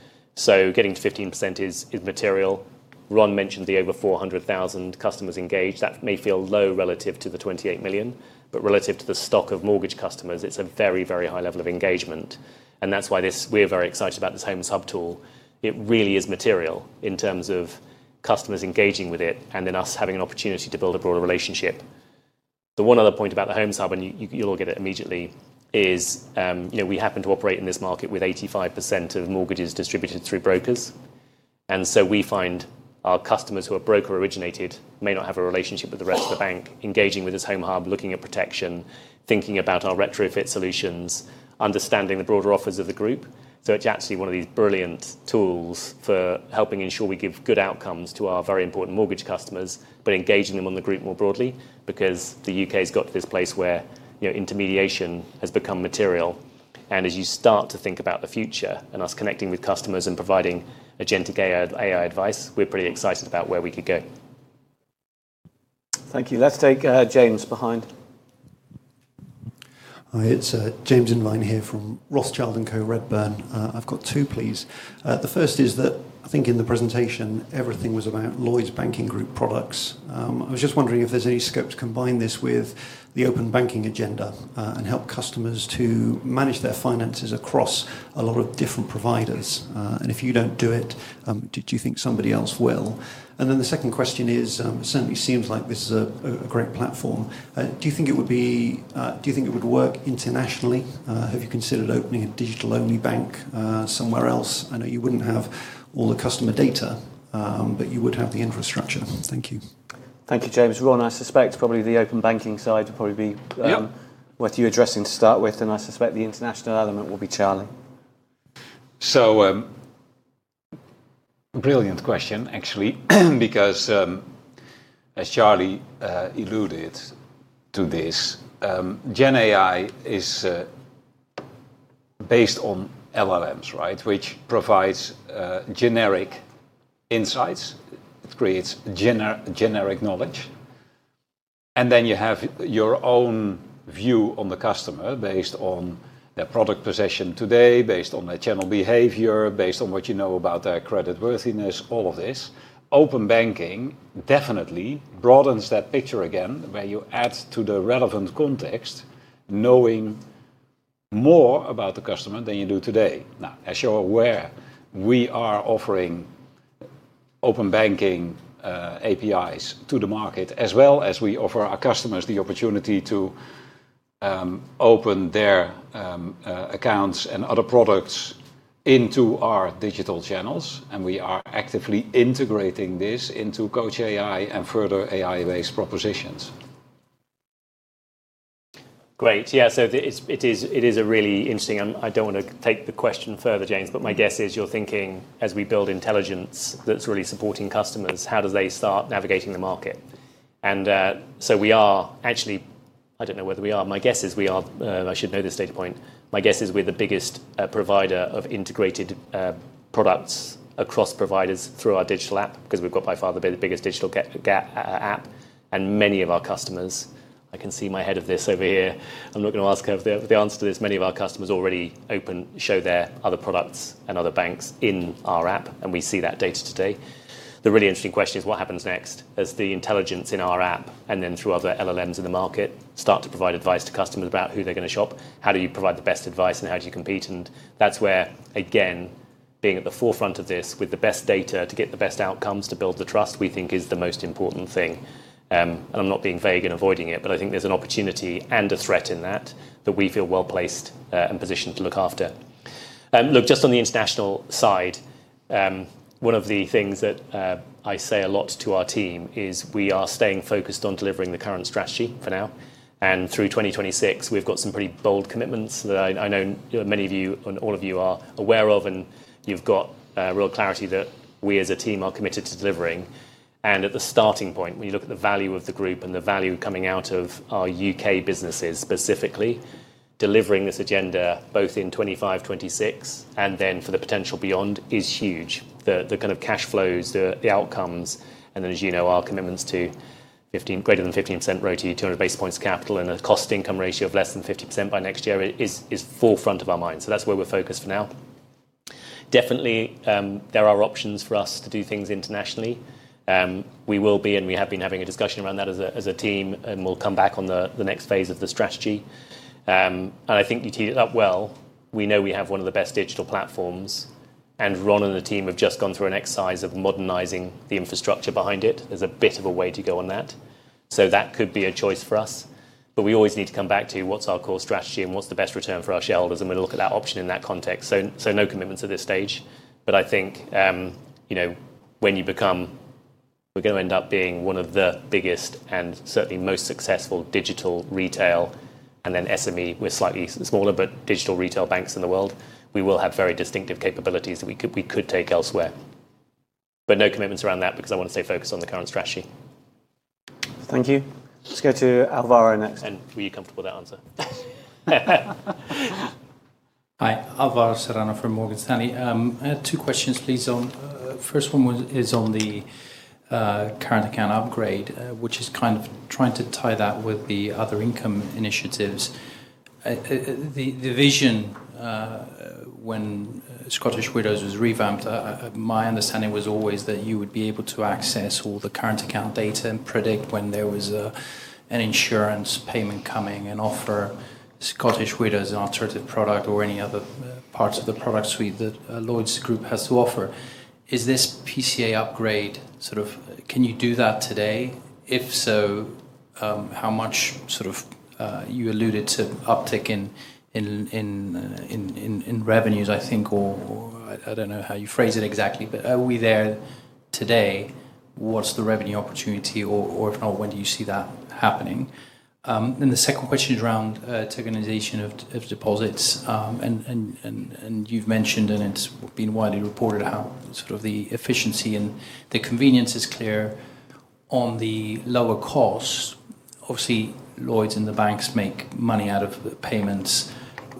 Getting to 15% is material. Ron mentioned the over 400,000 customers engaged. That may feel low relative to the 28 million, but relative to the stock of mortgage customers, it's a very, very high level of engagement. That is why we're very excited about this Home Hub tool. It really is material in terms of customers engaging with it and then us having an opportunity to build a broader relationship. The one other point about the Home Hub, and you'll get it immediately, is we happen to operate in this market with 85% of mortgages distributed through brokers. We find our customers who are broker-originated may not have a relationship with the rest of the bank, engaging with this Homes Hub, looking at protection, thinking about our retrofit solutions, understanding the broader offers of the group. It is actually one of these brilliant tools for helping ensure we give good outcomes to our very important mortgage customers, but engaging them on the group more broadly because the U.K. has got to this place where intermediation has become material. As you start to think about the future and us connecting with customers and providing agentic AI advice, we are pretty excited about where we could go. Thank you. Let's take James behind. Hi, it's James [Irvine] here from Rothschild and Co Redburn. I've got two, please. The first is that I think in the presentation, everything was about Lloyds Banking Group products. I was just wondering if there's any scope to combine this with the open banking agenda and help customers to manage their finances across a lot of different providers. If you do not do it, do you think somebody else will? The second question is, it certainly seems like this is a great platform. Do you think it would be, do you think it would work internationally? Have you considered opening a digital-only bank somewhere else? I know you would not have all the customer data, but you would have the infrastructure. Thank you. Thank you, James. Ron, I suspect probably the open banking side would probably be worth you addressing to start with, and I suspect the international element will be Charlie. Brilliant question, actually, because as Charlie alluded to this, GenAI is based on LLMs, right, which provides generic insights. It creates generic knowledge. You have your own view on the customer based on their product possession today, based on their channel behavior, based on what you know about their creditworthiness, all of this. Open banking definitely broadens that picture again where you add to the relevant context, knowing more about the customer than you do today. Now, as you're aware, we are offering open banking APIs to the market, as well as we offer our customers the opportunity to open their accounts and other products into our digital channels. We are actively integrating this into Coach AI and further AI-based propositions. Great. Yeah, it is a really interesting, and I do not want to take the question further, James, but my guess is you're thinking, as we build intelligence that's really supporting customers, how do they start navigating the market? We are actually, I do not know whether we are, my guess is we are, I should know this data point, my guess is we are the biggest provider of integrated products across providers through our digital app because we have by far the biggest digital app. Many of our customers, I can see my head of this over here. I am not going to ask her the answer to this. Many of our customers already show their other products and other banks in our app, and we see that data today. The really interesting question is, what happens next as the intelligence in our app and then through other LLMs in the market start to provide advice to customers about who they are going to shop? How do you provide the best advice and how do you compete? That is where, again, being at the forefront of this with the best data to get the best outcomes, to build the trust, we think is the most important thing. I am not being vague and avoiding it, but I think there is an opportunity and a threat in that that we feel well placed and positioned to look after. Look, just on the international side, one of the things that I say a lot to our team is we are staying focused on delivering the current strategy for now. Through 2026, we have got some pretty bold commitments that I know many of you and all of you are aware of, and you have got real clarity that we as a team are committed to delivering. At the starting point, when you look at the value of the group and the value coming out of our U.K. businesses specifically, delivering this agenda both in 2025, 2026, and then for the potential beyond is huge. The kind of cash flows, the outcomes, and then, as you know, our commitments to greater than 15% royalty, 200 basis points of capital, and a cost-income ratio of less than 50% by next year is forefront of our minds. That is where we're focused for now. Definitely, there are options for us to do things internationally. We will be, and we have been having a discussion around that as a team, and we'll come back on the next phase of the strategy. I think you teed it up well. We know we have one of the best digital platforms, and Ron and the team have just gone through an exercise of modernizing the infrastructure behind it. There's a bit of a way to go on that. That could be a choice for us. We always need to come back to what's our core strategy and what's the best return for our shareholders, and we'll look at that option in that context. No commitments at this stage. I think when you become, we're going to end up being one of the biggest and certainly most successful digital retail and then SME, we're slightly smaller, but digital retail banks in the world. We will have very distinctive capabilities that we could take elsewhere. No commitments around that because I want to stay focused on the current strategy. Thank you. Let's go to Alvaro next. Were you comfortable with that answer? Hi, Alvaro Serrano from Morgan Stanley. Two questions, please. First one is on the current account upgrade, which is kind of trying to tie that with the other income initiatives. The vision. When Scottish Widows was revamped, my understanding was always that you would be able to access all the current account data and predict when there was an insurance payment coming and offer Scottish Widows an alternative product or any other parts of the product suite that Lloyds Group has to offer. Is this PCA upgrade sort of, can you do that today? If so, how much, sort of, you alluded to uptick in revenues, I think, or I do not know how you phrase it exactly, but are we there today? What is the revenue opportunity, or if not, when do you see that happening? The second question is around tokenization of deposits. You have mentioned, and it has been widely reported, how the efficiency and the convenience is clear on the lower cost. Obviously, Lloyds and the banks make money out of payments.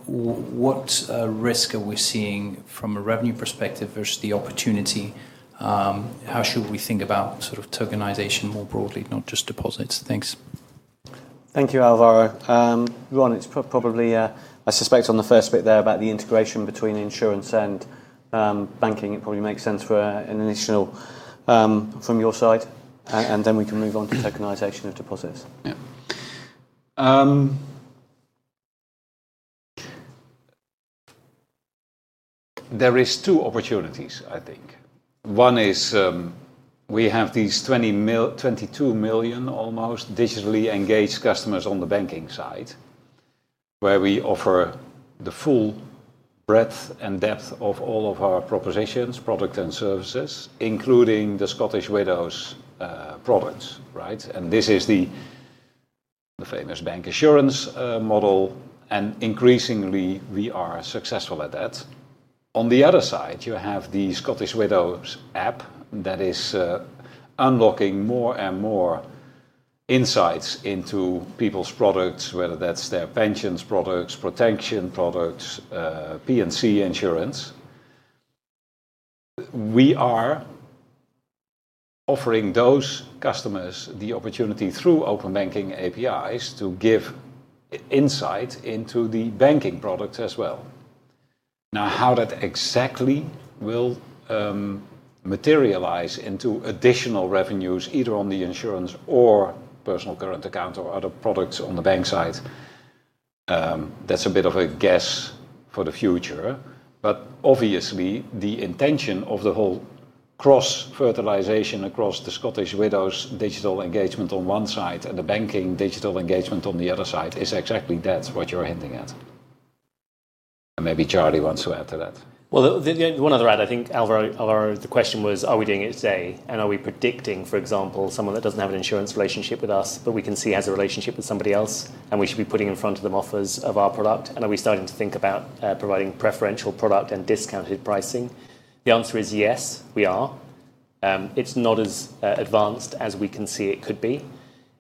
What risk are we seeing from a revenue perspective versus the opportunity? How should we think about tokenization more broadly, not just deposits? Thanks. Thank you, Alvaro. Ron, it is probably, I suspect on the first bit there about the integration between insurance and banking, it probably makes sense for an initial from your side, and then we can move on to tokenization of deposits. Yeah. There are two opportunities, I think. One is we have these 22 million almost digitally engaged customers on the banking side, where we offer the full. Breadth and depth of all of our propositions, products, and services, including the Scottish Widows products, right? And this is the famous bank assurance model, and increasingly, we are successful at that. On the other side, you have the Scottish Widows app that is unlocking more and more insights into people's products, whether that's their pensions products, protection products, P&C insurance. We are offering those customers the opportunity through open banking APIs to give insight into the banking products as well. Now, how that exactly will materialize into additional revenues, either on the insurance or personal current account or other products on the bank side, that's a bit of a guess for the future. Obviously, the intention of the whole cross-fertilization across the Scottish Widows digital engagement on one side and the banking digital engagement on the other side is exactly that's what you're hinting at. Maybe Charlie wants to add to that. The one other add, I think, Alvaro, the question was, are we doing it today? Are we predicting, for example, someone that does not have an insurance relationship with us, but we can see has a relationship with somebody else, and we should be putting in front of them offers of our product? Are we starting to think about providing preferential product and discounted pricing? The answer is yes, we are. It is not as advanced as we can see it could be.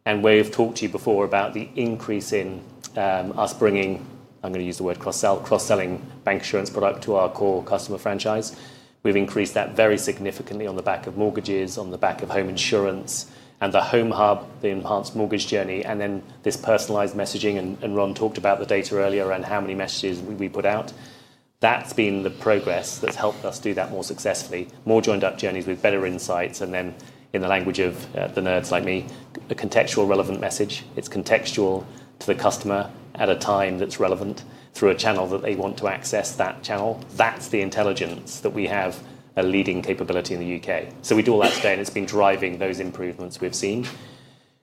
We have talked to you before about the increase in us bringing, I am going to use the word cross-selling, bancassurance product to our core customer franchise. We have increased that very significantly on the back of mortgages, on the back of home insurance, and the Homes Hub, the enhanced mortgage journey, and then this personalized messaging. Ron talked about the data earlier and how many messages we put out. That has been the progress that has helped us do that more successfully, more joined-up journeys with better insights, and then, in the language of the nerds like me, a contextual relevant message. It is contextual to the customer at a time that is relevant through a channel that they want to access that channel. That is the intelligence that we have a leading capability in the U.K. We do all that today, and it has been driving those improvements we have seen.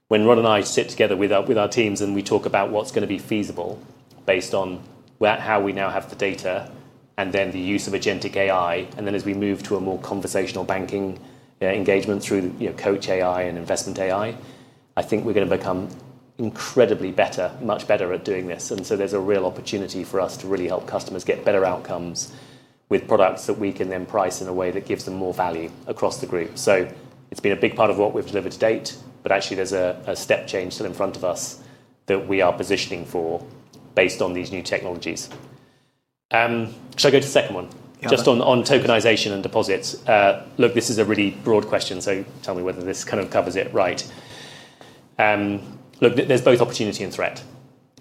When Ron and I sit together with our teams and we talk about what's going to be feasible based on how we now have the data and then the use of agentic AI, and then as we move to a more conversational banking engagement through Coach AI and investment AI, I think we're going to become incredibly better, much better at doing this. There is a real opportunity for us to really help customers get better outcomes with products that we can then price in a way that gives them more value across the group. It has been a big part of what we've delivered to date, but actually, there is a step change still in front of us that we are positioning for based on these new technologies. Shall I go to the second one? Just on tokenization and deposits. Look, this is a really broad question, so tell me whether this kind of covers it right. Look, there's both opportunity and threat.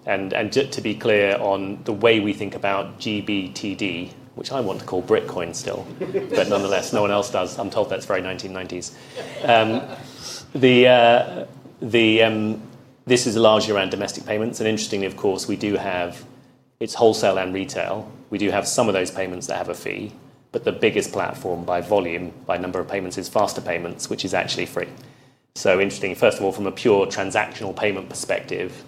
And to be clear on the way we think about GBTD, which I want to call Bitcoin still, but nonetheless, no one else does. I'm told that's very 1990s. This is largely around domestic payments. Interestingly, of course, we do have its wholesale and retail. We do have some of those payments that have a fee, but the biggest platform by volume, by number of payments, is Faster Payments, which is actually free. Interesting, first of all, from a pure transactional payment perspective.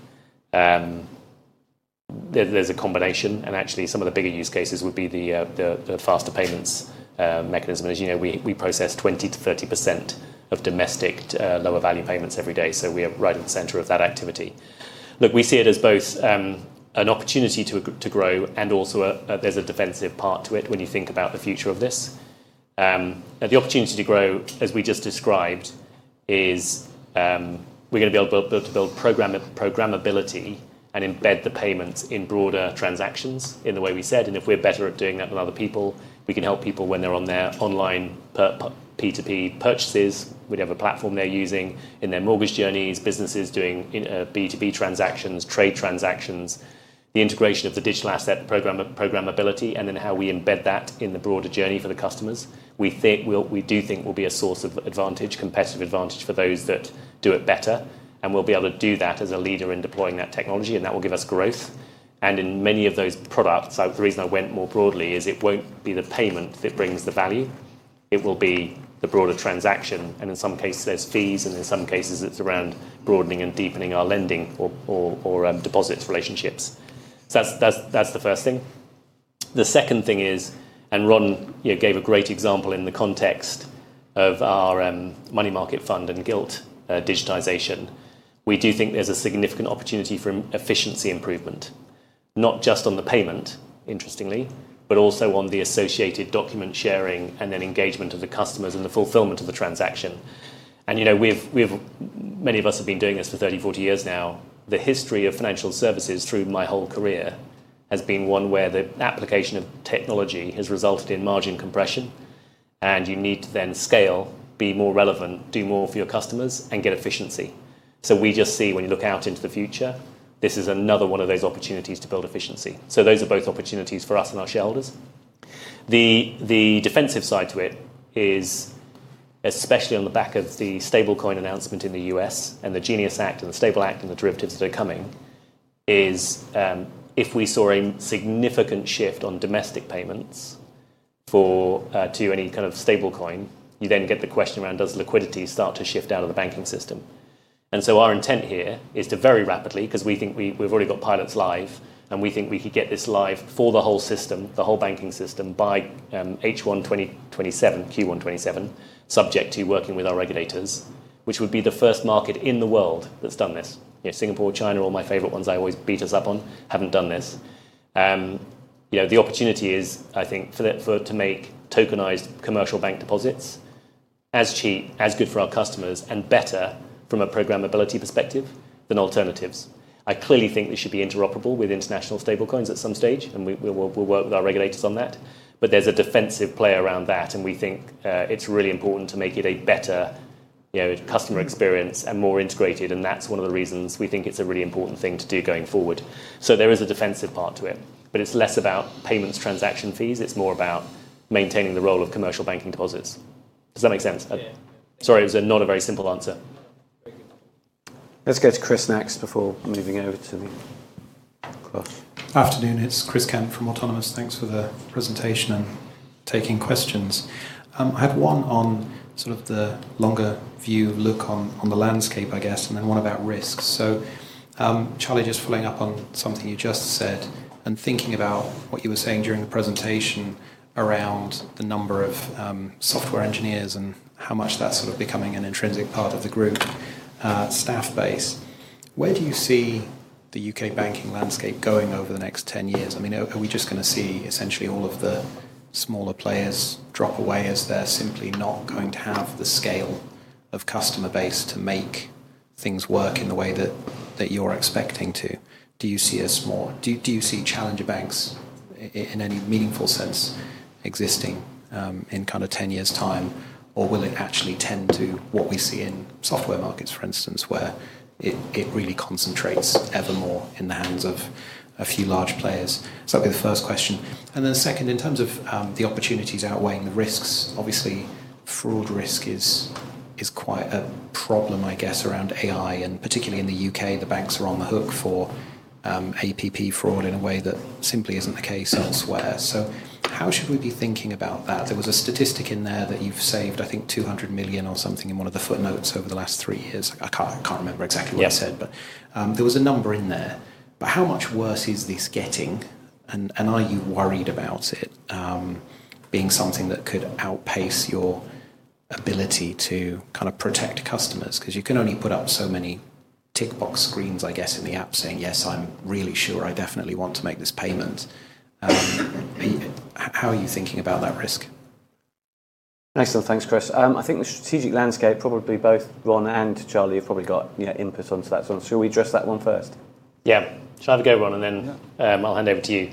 There's a combination, and actually, some of the bigger use cases would be the Faster Payments mechanism. As you know, we process 20-30% of domestic lower-value payments every day, so we are right at the center of that activity. Look, we see it as both. An opportunity to grow and also there's a defensive part to it when you think about the future of this. The opportunity to grow, as we just described, is we're going to be able to build programmability and embed the payments in broader transactions in the way we said. If we're better at doing that with other people, we can help people when they're on their online P2P purchases. We have a platform they're using in their mortgage journeys, businesses doing B2B transactions, trade transactions, the integration of the digital asset programmability, and then how we embed that in the broader journey for the customers. We do think it will be a source of advantage, competitive advantage for those that do it better, and we'll be able to do that as a leader in deploying that technology, and that will give us growth. In many of those products, the reason I went more broadly is it will not be the payment that brings the value. It will be the broader transaction, and in some cases, there are fees, and in some cases, it is around broadening and deepening our lending or deposits relationships. That is the first thing. The second thing is, Ron gave a great example in the context of our money market fund and gilt digitization. We do think there is a significant opportunity for efficiency improvement, not just on the payment, interestingly, but also on the associated document sharing and then engagement of the customers and the fulfillment of the transaction. Many of us have been doing this for 30-40 years now. The history of financial services through my whole career has been one where the application of technology has resulted in margin compression, and you need to then scale, be more relevant, do more for your customers, and get efficiency. We just see when you look out into the future, this is another one of those opportunities to build efficiency. Those are both opportunities for us and our shareholders. The defensive side to it is, especially on the back of the STABLEcoin announcement in the U.S. and the GENIUS Act and the STABLE Act and the derivatives that are coming, if we saw a significant shift on domestic payments to any kind of STABLEcoin, you then get the question around, does liquidity start to shift out of the banking system? Our intent here is to very rapidly, because we think we've already got pilots live, and we think we could get this live for the whole system, the whole banking system, by H1 2027, Q1 2027, subject to working with our regulators, which would be the first market in the world that's done this. Singapore, China, all my favorite ones I always beat us up on, haven't done this. The opportunity is, I think, to make tokenized commercial bank deposits as cheap, as good for our customers, and better from a programmability perspective than alternatives. I clearly think this should be interoperable with international STABLEcoins at some stage, and we'll work with our regulators on that. There is a defensive play around that, and we think it's really important to make it better. Customer experience and more integrated, and that's one of the reasons we think it's a really important thing to do going forward. There is a defensive part to it, but it's less about payments transaction fees. It's more about maintaining the role of commercial banking deposits. Does that make sense? Sorry, it was not a very simple answer. Let's go to Chris next before moving over to the cross. Afternoon, it's Chris Kent from Autonomous. Thanks for the presentation and taking questions. I have one on sort of the longer view look on the landscape, I guess, and then one about risks. Charlie, just following up on something you just said and thinking about what you were saying during the presentation around the number of software engineers and how much that's sort of becoming an intrinsic part of the group staff base. Where do you see the U.K. banking landscape going over the next 10 years? I mean, are we just going to see essentially all of the smaller players drop away as they're simply not going to have the scale of customer base to make things work in the way that you're expecting to? Do you see challenger banks in any meaningful sense existing in kind of 10 years' time, or will it actually tend to what we see in software markets, for instance, where it really concentrates ever more in the hands of a few large players? That'll be the first question. The second, in terms of the opportunities outweighing the risks, obviously, fraud risk is quite a problem, I guess, around AI, and particularly in the U.K., the banks are on the hook for. APP fraud in a way that simply is not the case elsewhere. How should we be thinking about that? There was a statistic in there that you have saved, I think, 200 million or something in one of the footnotes over the last three years. I cannot remember exactly what you said, but there was a number in there. How much worse is this getting, and are you worried about it being something that could outpace your ability to kind of protect customers? Because you can only put up so many tick box screens, I guess, in the app saying, yes, I am really sure I definitely want to make this payment. How are you thinking about that risk? Excellent. Thanks, Chris. I think the strategic landscape, probably both Ron and Charlie have probably got input onto that. Should we address that one first? Yeah. Shall I have a go, Ron, and then I'll hand over to you?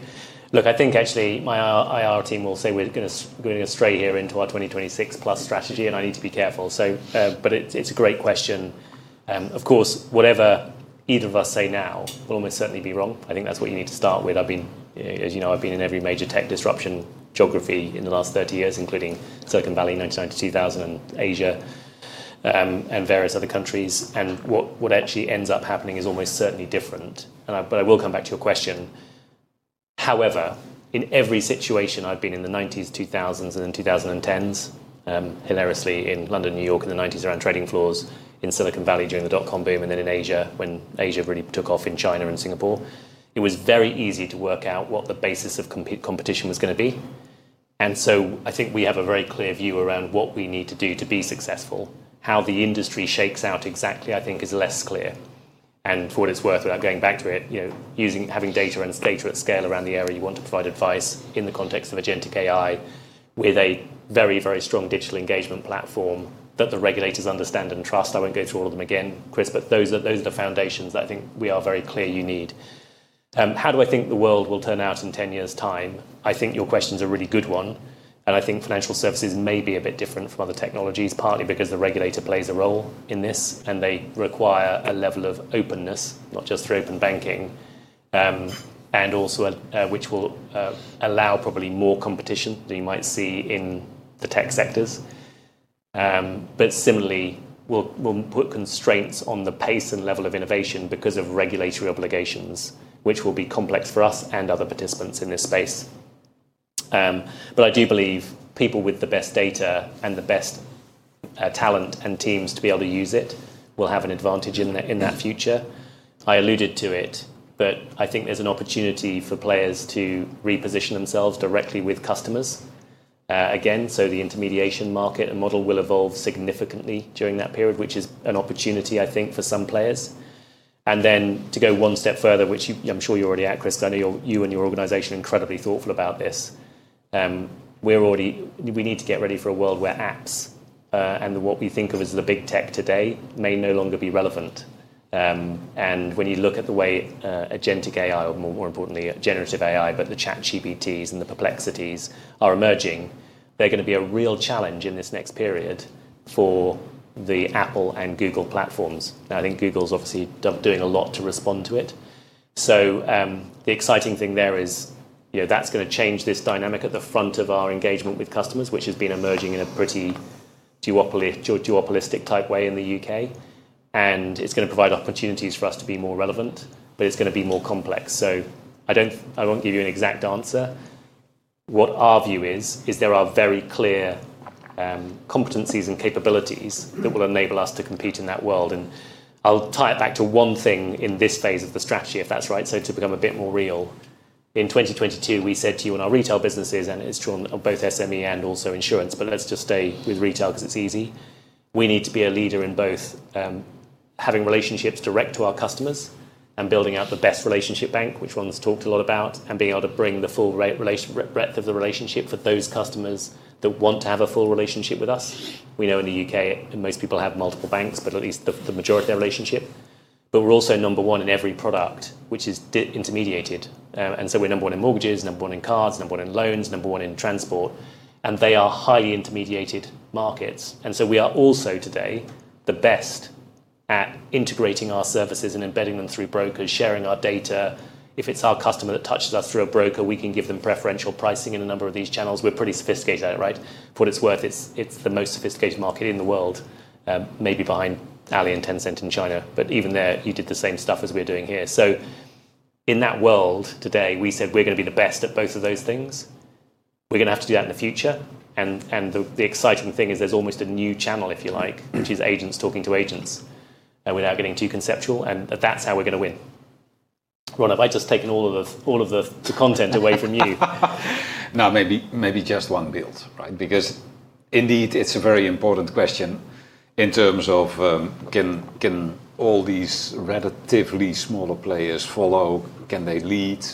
Look, I think actually my IR team will say we're going to go straight here into our 2026 plus strategy, and I need to be careful. It is a great question. Of course, whatever either of us say now will almost certainly be wrong. I think that's what you need to start with. As you know, I've been in every major tech disruption geography in the last 30 years, including Silicon Valley, 1990, 2000, and Asia, and various other countries. What actually ends up happening is almost certainly different. I will come back to your question. However, in every situation I've been in the 1990s, 2000s, and 2010s, hilariously in London, New York, in the 1990s around trading floors in Silicon Valley during the dot-com boom, and then in Asia when Asia really took off in China and Singapore, it was very easy to work out what the basis of competition was going to be. I think we have a very clear view around what we need to do to be successful. How the industry shakes out exactly, I think, is less clear. For what it's worth, without going back to it, having data and data at scale around the area, you want to provide advice in the context of agentic AI with a very, very strong digital engagement platform that the regulators understand and trust. I won't go through all of them again, Chris, but those are the foundations that I think we are very clear you need. How do I think the world will turn out in 10 years' time? I think your question is a really good one. I think financial services may be a bit different from other technologies, partly because the regulator plays a role in this and they require a level of openness, not just through open banking. Also, which will allow probably more competition than you might see in the tech sectors. Similarly, we'll put constraints on the pace and level of innovation because of regulatory obligations, which will be complex for us and other participants in this space. I do believe people with the best data and the best. Talent and teams to be able to use it will have an advantage in that future. I alluded to it, but I think there's an opportunity for players to reposition themselves directly with customers again. The intermediation market and model will evolve significantly during that period, which is an opportunity, I think, for some players. To go one step further, which I'm sure you're already at, Chris, because I know you and your organization are incredibly thoughtful about this. We need to get ready for a world where apps and what we think of as the big tech today may no longer be relevant. When you look at the way agentic AI, or more importantly, generative AI, but the ChatGPTs and the Perplexity's are emerging, they're going to be a real challenge in this next period for the Apple and Google platforms. Now, I think Google's obviously doing a lot to respond to it. The exciting thing there is that's going to change this dynamic at the front of our engagement with customers, which has been emerging in a pretty duopolistic type way in the U.K. It's going to provide opportunities for us to be more relevant, but it's going to be more complex. I won't give you an exact answer. What our view is, is there are very clear competencies and capabilities that will enable us to compete in that world. I'll tie it back to one thing in this phase of the strategy, if that's right, to become a bit more real. In 2022, we said to you in our retail businesses, and it's drawn on both SME and also insurance, but let's just stay with retail because it's easy. We need to be a leader in both. Having relationships direct to our customers and building out the best relationship bank, which Ron's talked a lot about, and being able to bring the full breadth of the relationship for those customers that want to have a full relationship with us. We know in the U.K., most people have multiple banks, but at least the majority of their relationship. We are also number one in every product, which is intermediated. We are number one in mortgages, number one in cars, number one in loans, number one in transport. They are highly intermediated markets. We are also today the best at integrating our services and embedding them through brokers, sharing our data. If it's our customer that touches us through a broker, we can give them preferential pricing in a number of these channels. We're pretty sophisticated at it, right? For what it's worth, it's the most sophisticated market in the world, maybe behind Ally and Tencent in China, but even there, you did the same stuff as we're doing here. In that world today, we said we're going to be the best at both of those things. We're going to have to do that in the future. The exciting thing is there's almost a new channel, if you like, which is agents talking to agents without getting too conceptual. That's how we're going to win. Ron, have I just taken all of the content away from you? No, maybe just one build, right? Because indeed, it's a very important question in terms of. Can all these relatively smaller players follow? Can they lead?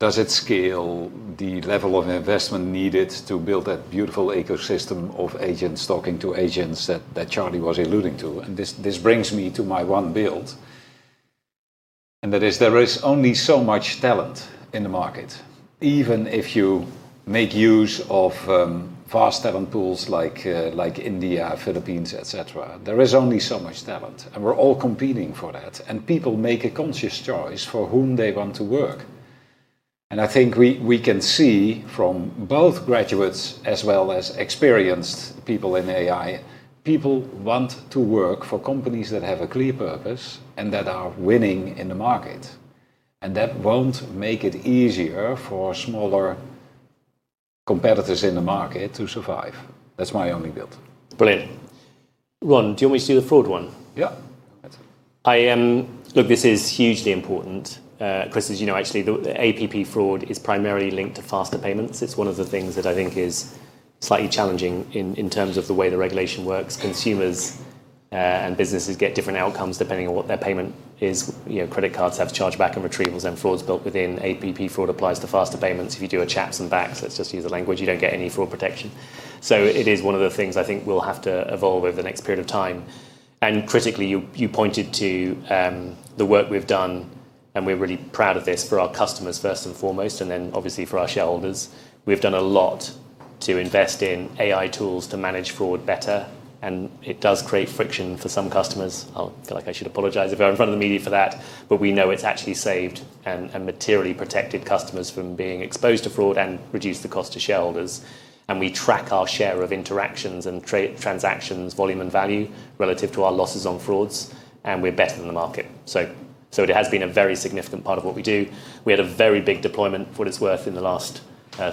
Does it scale the level of investment needed to build that beautiful ecosystem of agents talking to agents that Charlie was alluding to? This brings me to my one build. There is only so much talent in the market. Even if you make use of fast talent pools like India, Philippines, etc., there is only so much talent. We are all competing for that. People make a conscious choice for whom they want to work. I think we can see from both graduates as well as experienced people in AI, people want to work for companies that have a clear purpose and that are winning in the market. That will not make it easier for smaller competitors in the market to survive. That is my only build. Brilliant. Ron, do you want me to see the fraud one? Yeah. Look, this is hugely important. Chris, as you know, actually, the APP fraud is primarily linked to faster payments. It's one of the things that I think is slightly challenging in terms of the way the regulation works. Consumers and businesses get different outcomes depending on what their payment is. Credit cards have chargeback and retrievals, and frauds built within. APP fraud applies to faster payments. If you do a CHAPS and Bacs, let's just use the language, you don't get any fraud protection. It is one of the things I think we'll have to evolve over the next period of time. Critically, you pointed to the work we've done, and we're really proud of this for our customers first and foremost, and then obviously for our shareholders. We've done a lot to invest in AI tools to manage fraud better, and it does create friction for some customers. I feel like I should apologize if I'm in front of the media for that, but we know it's actually saved and materially protected customers from being exposed to fraud and reduced the cost to shareholders. We track our share of interactions and transactions, volume and value relative to our losses on frauds, and we're better than the market. It has been a very significant part of what we do. We had a very big deployment, for what it's worth, in the last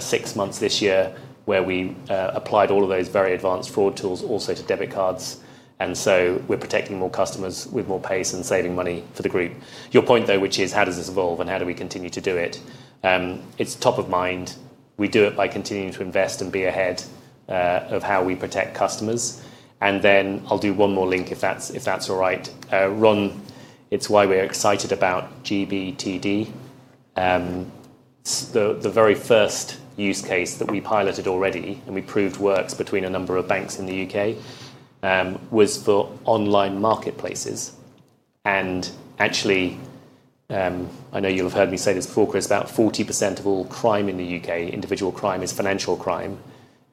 six months this year where we applied all of those very advanced fraud tools also to debit cards. We are protecting more customers with more pace and saving money for the group. Your point, though, which is how does this evolve and how do we continue to do it? It's top of mind. We do it by continuing to invest and be ahead of how we protect customers. I will do one more link if that is all right. Ron, it is why we are excited about GBTD. The very first use case that we piloted already and we proved works between a number of banks in the U.K. was for online marketplaces. Actually, I know you will have heard me say this before, Chris, about 40% of all crime in the U.K., individual crime, is financial crime.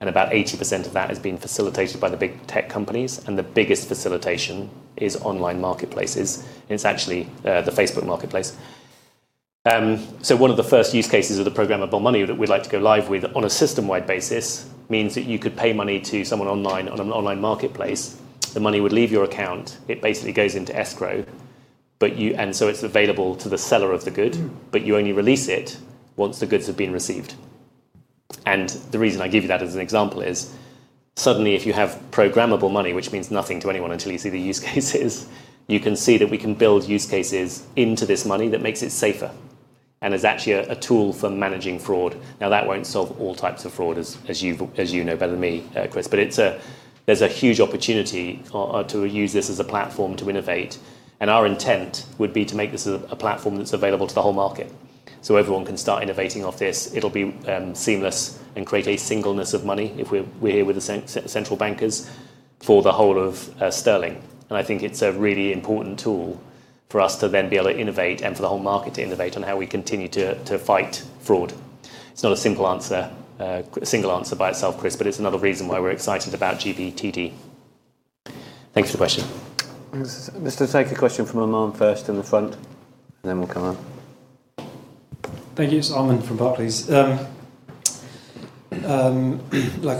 About 80% of that has been facilitated by the big tech companies. The biggest facilitation is online marketplaces. It is actually the Facebook marketplace. One of the first use cases of the program of programmable money that we would like to go live with on a system-wide basis means that you could pay money to someone online on an online marketplace. The money would leave your account. It basically goes into escrow. It is available to the seller of the good, but you only release it once the goods have been received. The reason I give you that as an example is suddenly if you have programmable money, which means nothing to anyone until you see the use cases, you can see that we can build use cases into this money that makes it safer. It is actually a tool for managing fraud. That will not solve all types of fraud, as you know better than me, Chris, but there is a huge opportunity to use this as a platform to innovate. Our intent would be to make this a platform that is available to the whole market. Everyone can start innovating off this. It'll be seamless and create a singleness of money if we're here with the central bankers for the whole of sterling. I think it's a really important tool for us to then be able to innovate and for the whole market to innovate on how we continue to fight fraud. It's not a simple answer, a single answer by itself, Chris, but it's another reason why we're excited about GBTD. Thanks for the question. Let's take a question from Aman first in the front, and then we'll come up. Thank you. It's Aman from Barclays. Look, I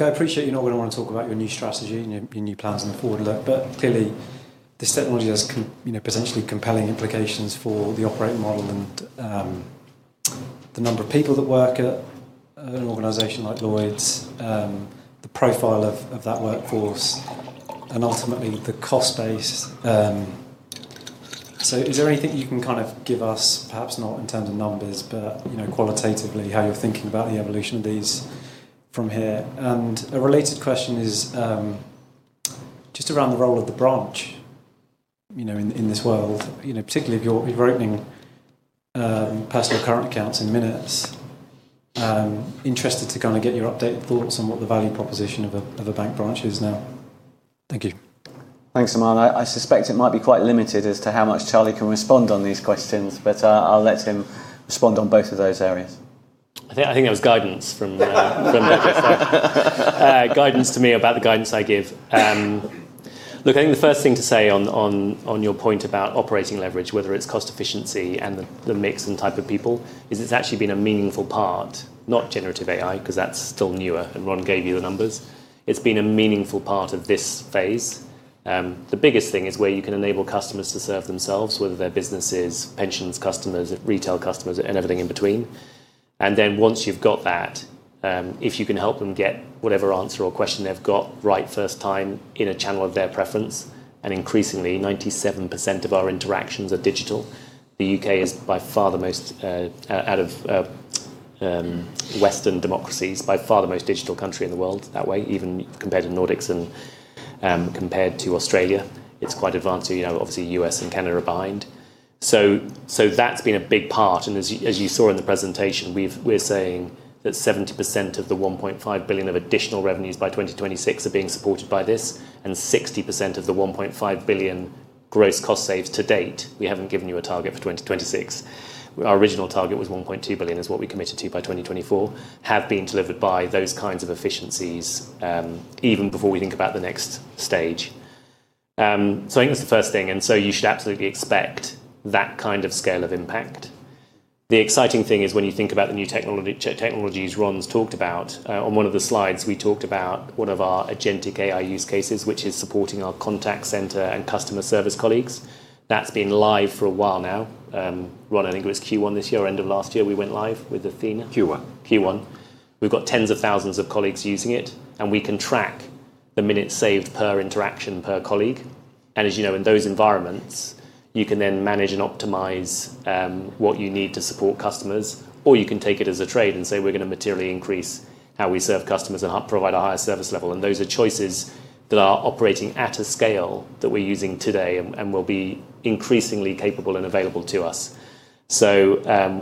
appreciate you're not going to want to talk about your new strategy and your new plans in the forward look, but clearly this technology has potentially compelling implications for the operating model and. The number of people that work at an organization like Lloyds, the profile of that workforce, and ultimately the cost base. Is there anything you can kind of give us, perhaps not in terms of numbers, but qualitatively how you're thinking about the evolution of these from here? A related question is just around the role of the branch. In this world, particularly if you're opening personal current accounts in minutes. Interested to kind of get your updated thoughts on what the value proposition of a bank branch is now. Thank you. Thanks, Aman. I suspect it might be quite limited as to how much Charlie can respond on these questions, but I'll let him respond on both of those areas. I think that was guidance from Barclays. Guidance to me about the guidance I give. Look, I think the first thing to say on your point about operating leverage, whether it's cost efficiency and the mix and type of people, is it's actually been a meaningful part, not generative AI, because that's still newer and Ron gave you the numbers. It's been a meaningful part of this phase. The biggest thing is where you can enable customers to serve themselves, whether they're businesses, pensions customers, retail customers, and everything in between. Once you've got that, if you can help them get whatever answer or question they've got right first time in a channel of their preference. Increasingly, 97% of our interactions are digital. The U.K. is by far the most, out of Western democracies, by far the most digital country in the world that way, even compared to Nordics and compared to Australia. It's quite advanced. Obviously, U.S. and Canada are behind. That's been a big part. As you saw in the presentation, we're saying that 70% of the 1.5 billion of additional revenues by 2026 are being supported by this. 60% of the 1.5 billion gross cost saves to date, we haven't given you a target for 2026. Our original target was 1.2 billion, which is what we committed to by 2024, have been delivered by those kinds of efficiencies, even before we think about the next stage. I think that's the first thing. You should absolutely expect that kind of scale of impact. The exciting thing is when you think about the new technologies Ron's talked about, on one of the slides, we talked about one of our agentic AI use cases, which is supporting our contact center and customer service colleagues. That's been live for a while now. Ron, I think it was Q1 this year or end of last year we went live with Athena. Q1. Q1. We've got tens of thousands of colleagues using it, and we can track the minutes saved per interaction per colleague. As you know, in those environments, you can then manage and optimize what you need to support customers, or you can take it as a trade and say, "We're going to materially increase how we serve customers and provide a higher service level." Those are choices that are operating at a scale that we're using today and will be increasingly capable and available to us.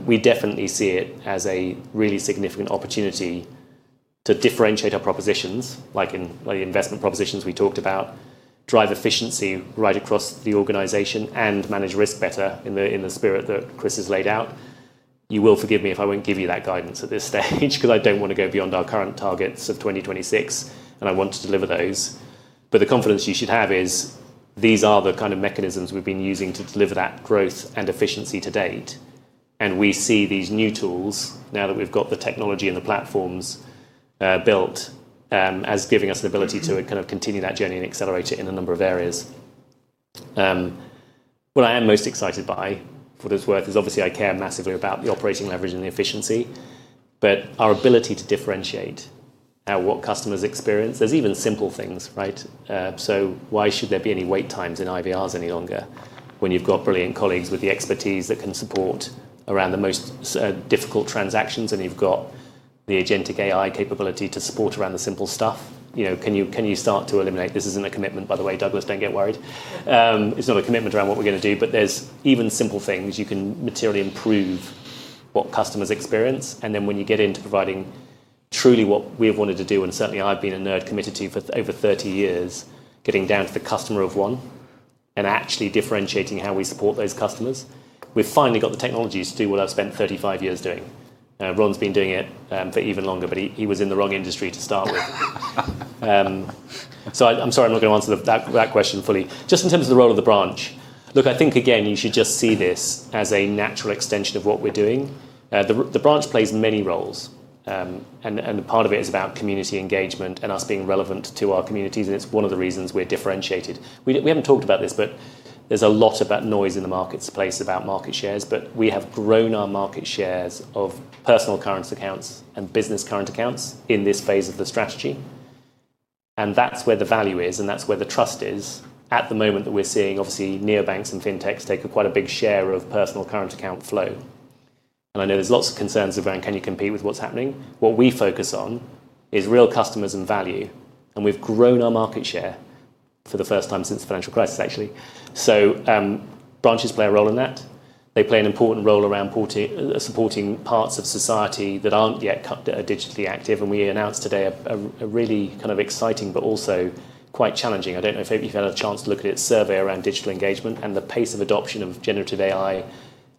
We definitely see it as a really significant opportunity to differentiate our propositions, like in the investment propositions we talked about, drive efficiency right across the organization, and manage risk better in the spirit that Chris has laid out. You will forgive me if I won't give you that guidance at this stage because I don't want to go beyond our current targets of 2026, and I want to deliver those. The confidence you should have is these are the kind of mechanisms we've been using to deliver that growth and efficiency to date. We see these new tools now that we've got the technology and the platforms built as giving us an ability to kind of continue that journey and accelerate it in a number of areas. What I am most excited by, for this work, is obviously I care massively about the operating leverage and the efficiency, but our ability to differentiate what customers experience. There's even simple things, right? Why should there be any wait times in IVRs any longer when you've got brilliant colleagues with the expertise that can support around the most difficult transactions and you've got the agentic AI capability to support around the simple stuff? Can you start to eliminate—this isn't a commitment, by the way, Douglas, don't get worried. It's not a commitment around what we're going to do, but there are even simple things you can materially improve what customers experience. When you get into providing truly what we've wanted to do, and certainly I've been a nerd committed to for over 30 years, getting down to the customer of one and actually differentiating how we support those customers, we've finally got the technologies to do what I've spent 35 years doing. Ron's been doing it for even longer, but he was in the wrong industry to start with. I'm sorry, I'm not going to answer that question fully. Just in terms of the role of the branch, look, I think, again, you should just see this as a natural extension of what we're doing. The branch plays many roles. Part of it is about community engagement and us being relevant to our communities. It's one of the reasons we're differentiated. We haven't talked about this, but there's a lot of that noise in the marketplace about market shares, but we have grown our market shares of personal current accounts and business current accounts in this phase of the strategy. That's where the value is, and that's where the trust is. At the moment we're seeing, obviously, neobanks and fintechs take quite a big share of personal current account flow. I know there's lots of concerns around, can you compete with what's happening? What we focus on is real customers and value. We have grown our market share for the first time since the financial crisis, actually. Branches play a role in that. They play an important role around supporting parts of society that are not yet digitally active. We announced today a really kind of exciting but also quite challenging, I do not know if you have had a chance to look at it, survey around digital engagement and the pace of adoption of generative AI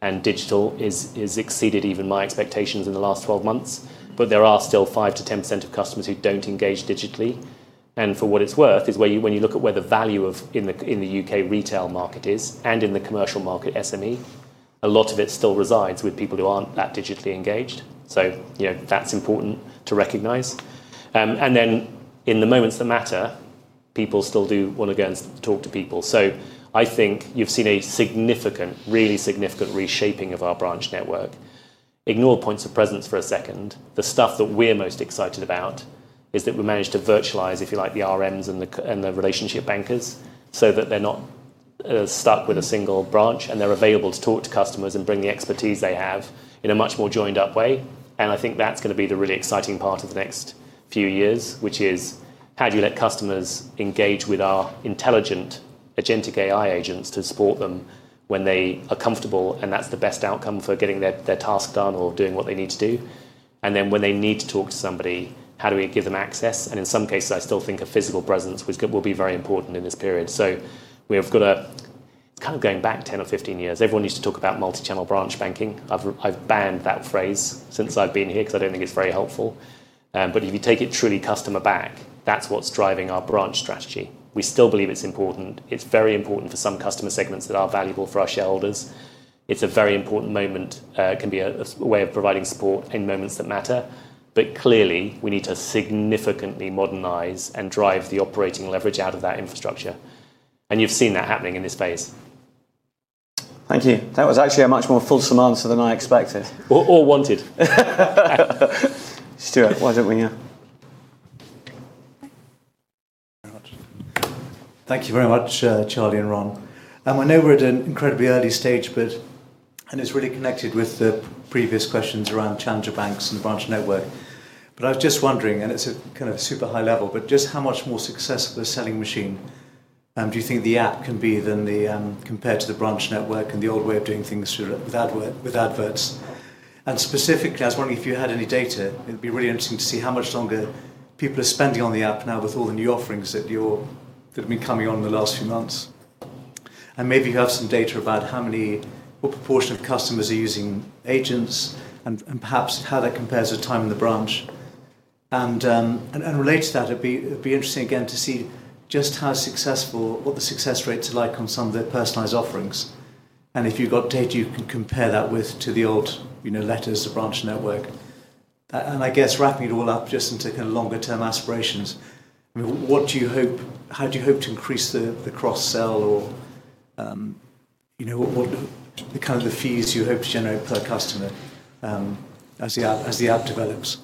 and digital has exceeded even my expectations in the last 12 months. There are still 5%-10% of customers who do not engage digitally. For what it is worth, when you look at where the value in the U.K. retail market is and in the commercial market, SME, a lot of it still resides with people who are not that digitally engaged. That is important to recognize. In the moments that matter, people still do want to go and talk to people. I think you have seen a significant, really significant reshaping of our branch network. Ignore points of presence for a second. The stuff that we are most excited about is that we managed to virtualize, if you like, the RMs and the relationship bankers so that they are not stuck with a single branch, and they are available to talk to customers and bring the expertise they have in a much more joined-up way. I think that is going to be the really exciting part of the next few years, which is how do you let customers engage with our intelligent agentic AI agents to support them when they are comfortable, and that is the best outcome for getting their task done or doing what they need to do. When they need to talk to somebody, how do we give them access? In some cases, I still think a physical presence will be very important in this period. We have to kind of go back 10 or 15 years. Everyone used to talk about multi-channel branch banking. I have banned that phrase since I have been here because I do not think it is very helpful. If you take it truly customer back, that is what is driving our branch strategy. We still believe it is important. It is very important for some customer segments that are valuable for our shareholders. It is a very important moment. It can be a way of providing support in moments that matter. Clearly, we need to significantly modernize and drive the operating leverage out of that infrastructure. You have seen that happening in this space. Thank you. That was actually a much more fulsome answer than I expected. Or wanted. Stuart, why don't we now? Thank you very much, Charlie and Ron. I know we're at an incredibly early stage, and it's really connected with the previous questions around challenger banks and the branch network. I was just wondering, and it's a kind of super high level, just how much more successful the selling machine do you think the app can be compared to the branch network and the old way of doing things without adverts? Specifically, I was wondering if you had any data. It'd be really interesting to see how much longer people are spending on the app now with all the new offerings that have been coming on in the last few months. Maybe you have some data about what proportion of customers are using agents and perhaps how that compares with time in the branch. Related to that, it'd be interesting again to see just what the success rates are like on some of the personalized offerings. If you've got data, you can compare that with the old letters of branch network. I guess wrapping it all up just into kind of longer-term aspirations. What do you hope? How do you hope to increase the cross-sell or kind of the fees you hope to generate per customer as the app develops?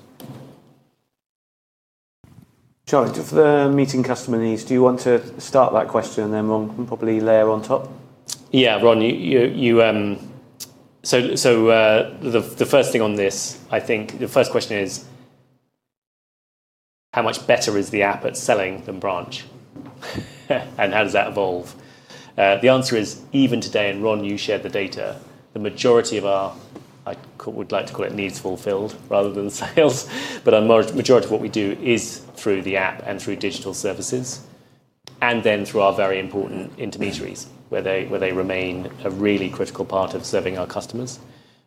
Charlie, for the meeting customer needs, do you want to start that question, and then Ron can probably layer on top? Yeah, Ron. The first thing on this, I think the first question is. How much better is the app at selling than branch? How does that evolve? The answer is, even today, and Ron, you shared the data, the majority of our, I would like to call it needs fulfilled rather than sales, but a majority of what we do is through the app and through digital services, and then through our very important intermediaries where they remain a really critical part of serving our customers.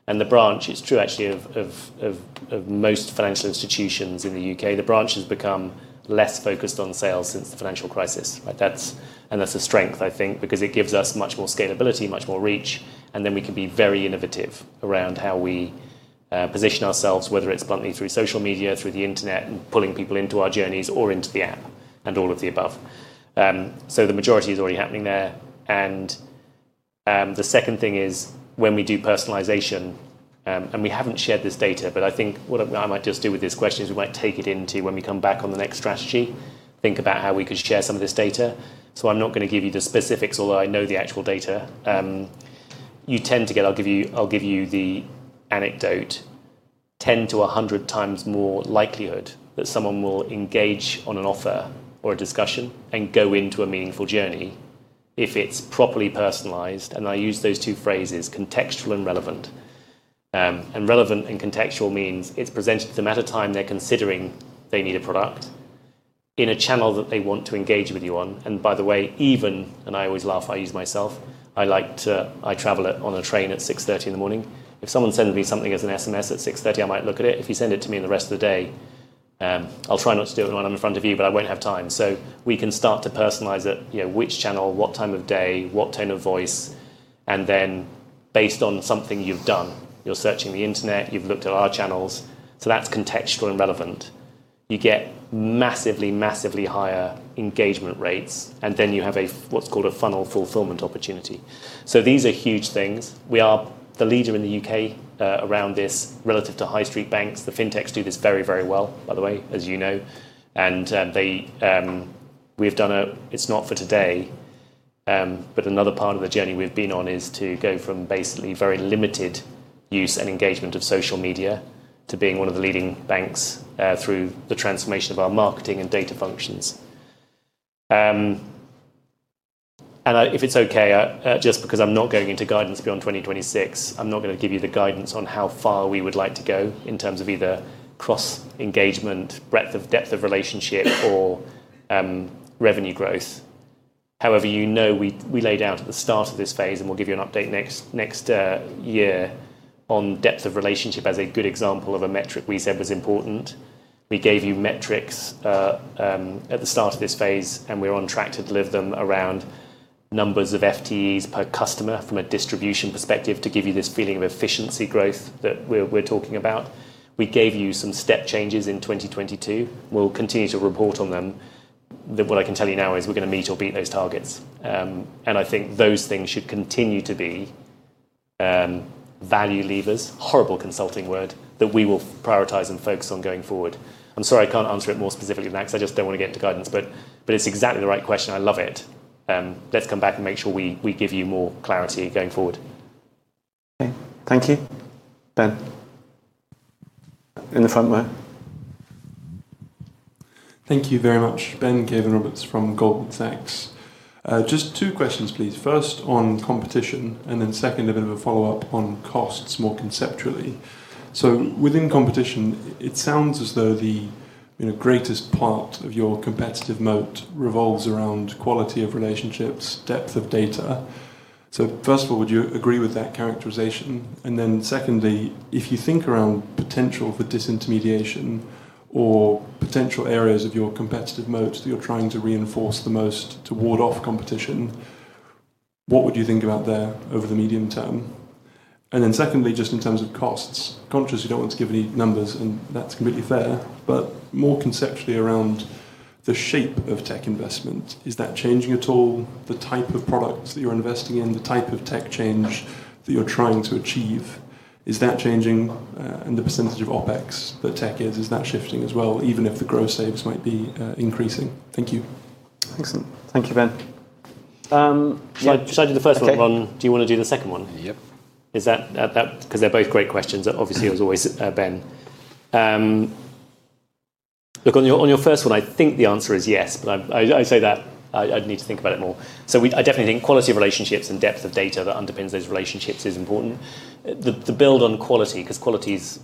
The branch, it is true actually of most financial institutions in the U.K., the branch has become less focused on sales since the financial crisis. That is a strength, I think, because it gives us much more scalability, much more reach, and then we can be very innovative around how we position ourselves, whether it is bluntly through social media, through the internet, pulling people into our journeys, or into the app, and all of the above. The majority is already happening there. The second thing is when we do personalization, and we have not shared this data, but I think what I might just do with this question is we might take it into when we come back on the next strategy, think about how we could share some of this data. I am not going to give you the specifics, although I know the actual data. You tend to get—I will give you the anecdote. 10-100 times more likelihood that someone will engage on an offer or a discussion and go into a meaningful journey if it is properly personalized. I use those two phrases: contextual and relevant. Relevant and contextual means it is presented to them at a time they are considering they need a product in a channel that they want to engage with you on. By the way, even—I always laugh, I use myself—I travel on a train at 6:30 in the morning. If someone sends me something as an SMS at 6:30, I might look at it. If you send it to me in the rest of the day, I'll try not to do it when I'm in front of you, but I won't have time. We can start to personalize it, which channel, what time of day, what tone of voice, and then based on something you've done, you're searching the internet, you've looked at our channels. That's contextual and relevant. You get massively, massively higher engagement rates, and then you have what's called a funnel fulfillment opportunity. These are huge things. We are the leader in the U.K. around this relative to high-street banks. The fintechs do this very, very well, by the way, as you know. We have done a—it's not for today. Another part of the journey we've been on is to go from basically very limited use and engagement of social media to being one of the leading banks through the transformation of our marketing and data functions. If it's okay, just because I'm not going into guidance beyond 2026, I'm not going to give you the guidance on how far we would like to go in terms of either cross-engagement, breadth of depth of relationship, or revenue growth. However, you know we laid out at the start of this phase, and we'll give you an update next year on depth of relationship as a good example of a metric we said was important. We gave you metrics at the start of this phase, and we're on track to deliver them around. Numbers of FTEs per customer from a distribution perspective to give you this feeling of efficiency growth that we're talking about. We gave you some step changes in 2022. We will continue to report on them. What I can tell you now is we are going to meet or beat those targets. I think those things should continue to be value levers, horrible consulting word, that we will prioritize and focus on going forward. I'm sorry, I can't answer it more specifically than that because I just do not want to get into guidance, but it is exactly the right question. I love it. Let's come back and make sure we give you more clarity going forward. Okay. Thank you. Ben. In the front row. Thank you very much, Ben, Cavan Roberts from Goldman Sachs. Just two questions, please. First, on competition, and then second, a bit of a follow-up on costs more conceptually. Within competition, it sounds as though the greatest part of your competitive moat revolves around quality of relationships, depth of data. First of all, would you agree with that characterization? Secondly, if you think around potential for disintermediation or potential areas of your competitive moat that you are trying to reinforce the most to ward off competition, what would you think about there over the medium term? Secondly, just in terms of costs, consciously you do not want to give any numbers, and that is completely fair, but more conceptually around the shape of tech investment. Is that changing at all? The type of products that you are investing in, the type of tech change that you are trying to achieve, is that changing? The percentage of OpEx that tech is, is that shifting as well, even if the gross savings might be increasing? Thank you. Excellent. Thank you, Ben. I did the first one, Ron. Do you want to do the second one? Yep. Is that because they're both great questions? Obviously, it was always Ben. Look, on your first one, I think the answer is yes, but I say that I'd need to think about it more. I definitely think quality of relationships and depth of data that underpins those relationships is important. The build on quality, because quality is.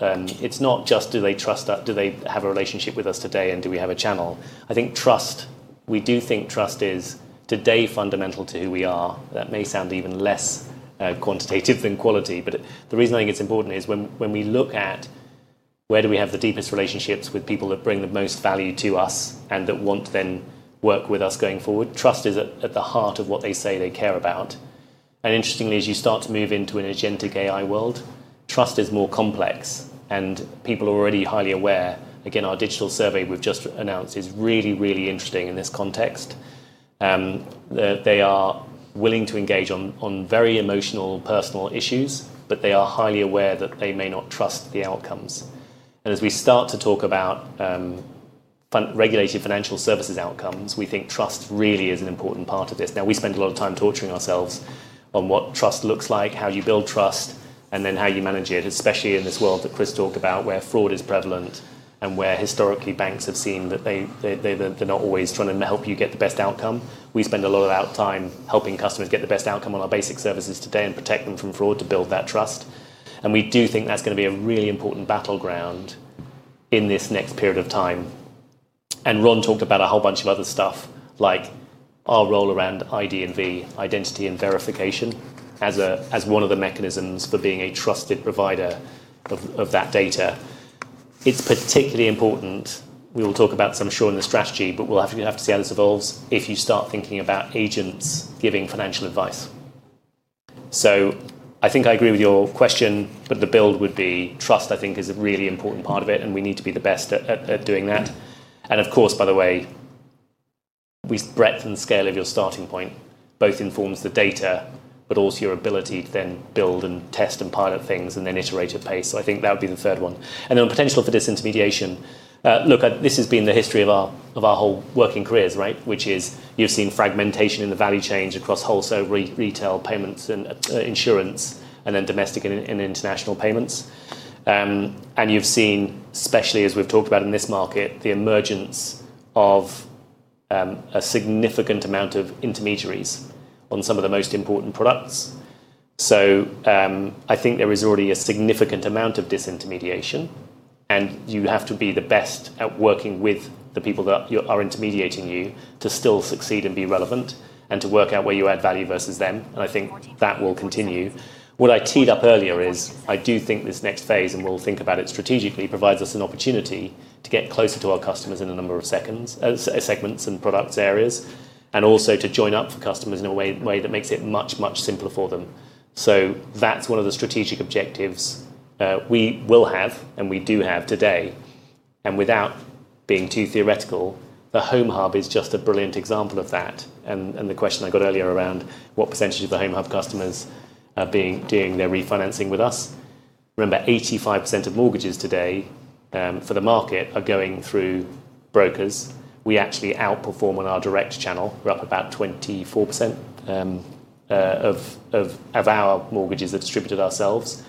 It's not just, do they trust us? Do they have a relationship with us today, and do we have a channel? I think trust, we do think trust is today fundamental to who we are. That may sound even less quantitative than quality, but the reason I think it's important is when we look at where do we have the deepest relationships with people that bring the most value to us and that want to then work with us going forward, trust is at the heart of what they say they care about. Interestingly, as you start to move into an agentic AI world, trust is more complex, and people are already highly aware. Again, our digital survey we've just announced is really, really interesting in this context. They are willing to engage on very emotional, personal issues, but they are highly aware that they may not trust the outcomes. As we start to talk about regulated financial services outcomes, we think trust really is an important part of this. Now, we spend a lot of time torturing ourselves on what trust looks like, how you build trust, and then how you manage it, especially in this world that Chris talked about, where fraud is prevalent and where historically banks have seen that. They're not always trying to help you get the best outcome. We spend a lot of our time helping customers get the best outcome on our basic services today and protect them from fraud to build that trust. We do think that's going to be a really important battleground in this next period of time. Ron talked about a whole bunch of other stuff, like our role around ID&V, identity and verification as one of the mechanisms for being a trusted provider of that data. It's particularly important. We will talk about some, sure, in the strategy, but we'll have to see how this evolves if you start thinking about agents giving financial advice. I think I agree with your question, but the build would be trust, I think, is a really important part of it, and we need to be the best at doing that. Of course, by the way, the breadth and scale of your starting point both informs the data, but also your ability to then build and test and pilot things and then iterate at pace. I think that would be the third one. The potential for disintermediation. Look, this has been the history of our whole working careers, right? Which is you've seen fragmentation in the value chain across wholesale, retail, payments, and insurance, and then domestic and international payments. You have seen, especially as we have talked about in this market, the emergence of a significant amount of intermediaries on some of the most important products. I think there is already a significant amount of disintermediation, and you have to be the best at working with the people that are intermediating you to still succeed and be relevant and to work out where you add value versus them. I think that will continue. What I teed up earlier is I do think this next phase, and we will think about it strategically, provides us an opportunity to get closer to our customers in a number of segments and product areas, and also to join up for customers in a way that makes it much, much simpler for them. That is one of the strategic objectives we will have, and we do have today. Without being too theoretical, the Homes Hub is just a brilliant example of that. The question I got earlier around what % of the Homes Hub customers are doing their refinancing with us, remember, 85% of mortgages today for the market are going through brokers. We actually outperform on our direct channel. We are up about 24% of our mortgages that are distributed ourselves.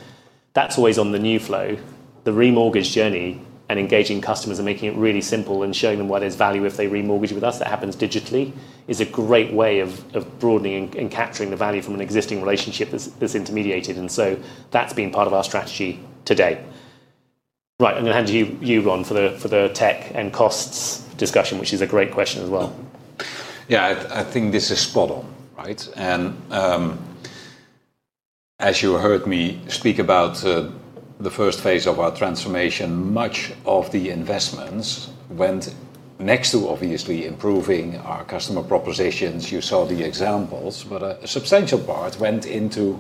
That is always on the new flow. The remortgage journey and engaging customers and making it really simple and showing them what is value if they remortgage with us, that happens digitally, is a great way of broadening and capturing the value from an existing relationship that is intermediated. That has been part of our strategy today. Right. I am going to hand you, Ron, for the tech and costs discussion, which is a great question as well. I think this is spot on, right? As you heard me speak about. The first phase of our transformation, much of the investments went next to obviously improving our customer propositions. You saw the examples, but a substantial part went into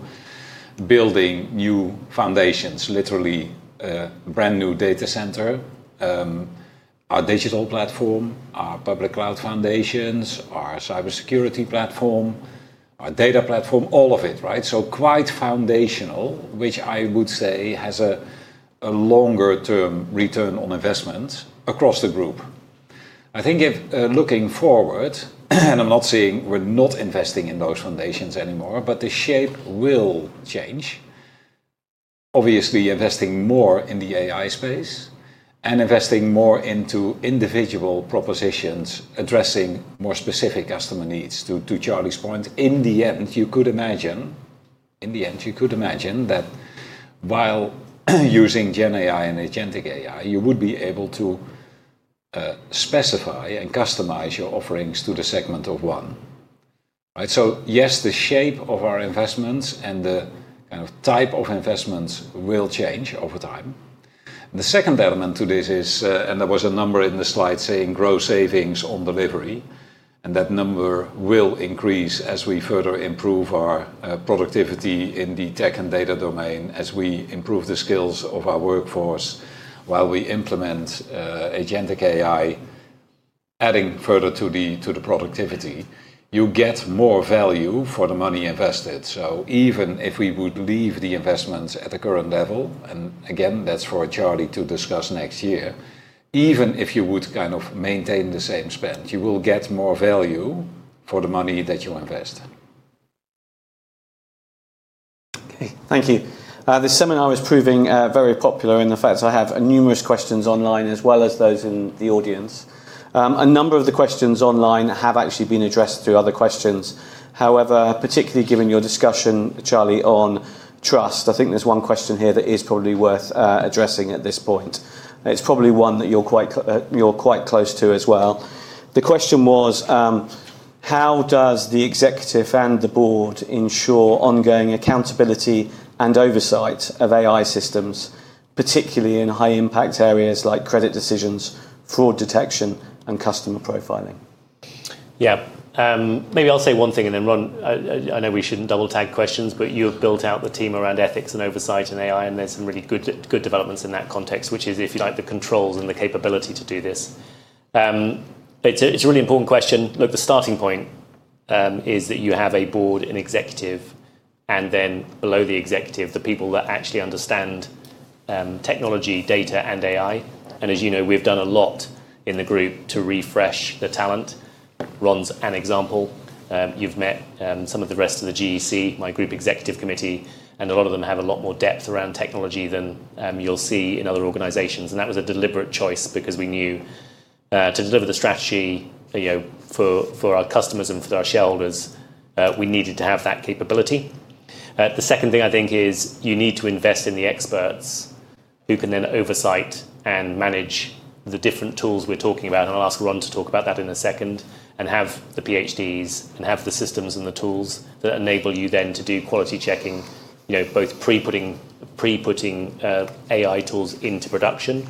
building new foundations, literally a brand new data center, our digital platform, our public cloud foundations, our cybersecurity platform, our data platform, all of it, right? So quite foundational, which I would say has a longer-term return on investment across the group. I think looking forward, and I'm not saying we're not investing in those foundations anymore, but the shape will change. Obviously, investing more in the AI space and investing more into individual propositions addressing more specific customer needs. To Charlie's point, in the end, you could imagine, in the end, you could imagine that while using GenAI and agentic AI, you would be able to. Specify and customize your offerings to the segment of one. Right? Yes, the shape of our investments and the kind of type of investments will change over time. The second element to this is, and there was a number in the slide saying growth savings on delivery, and that number will increase as we further improve our productivity in the tech and data domain as we improve the skills of our workforce while we implement Agentic AI. Adding further to the productivity, you get more value for the money invested. Even if we would leave the investments at the current level, and again, that is for Charlie to discuss next year, even if you would kind of maintain the same spend, you will get more value for the money that you invest. Okay. Thank you. This seminar is proving very popular in the fact I have numerous questions online as well as those in the audience. A number of the questions online have actually been addressed through other questions. However, particularly given your discussion, Charlie, on trust, I think there's one question here that is probably worth addressing at this point. It's probably one that you're quite close to as well. The question was, how does the executive and the board ensure ongoing accountability and oversight of AI systems, particularly in high-impact areas like credit decisions, fraud detection, and customer profiling? Yeah. Maybe I'll say one thing, and then, Ron, I know we shouldn't double-tag questions, but you have built out the team around ethics and oversight and AI, and there's some really good developments in that context, which is, if you like, the controls and the capability to do this. It's a really important question. Look, the starting point is that you have a board, an executive, and then below the executive, the people that actually understand technology, data, and AI. And as you know, we've done a lot in the group to refresh the talent. Ron's an example. You've met some of the rest of the GEC, my group executive committee, and a lot of them have a lot more depth around technology than you'll see in other organizations. That was a deliberate choice because we knew to deliver the strategy for our customers and for our shareholders, we needed to have that capability. The second thing I think is you need to invest in the experts who can then oversight and manage the different tools we're talking about. I'll ask Ron to talk about that in a second and have the PhDs and have the systems and the tools that enable you then to do quality checking, both pre-putting AI tools into production,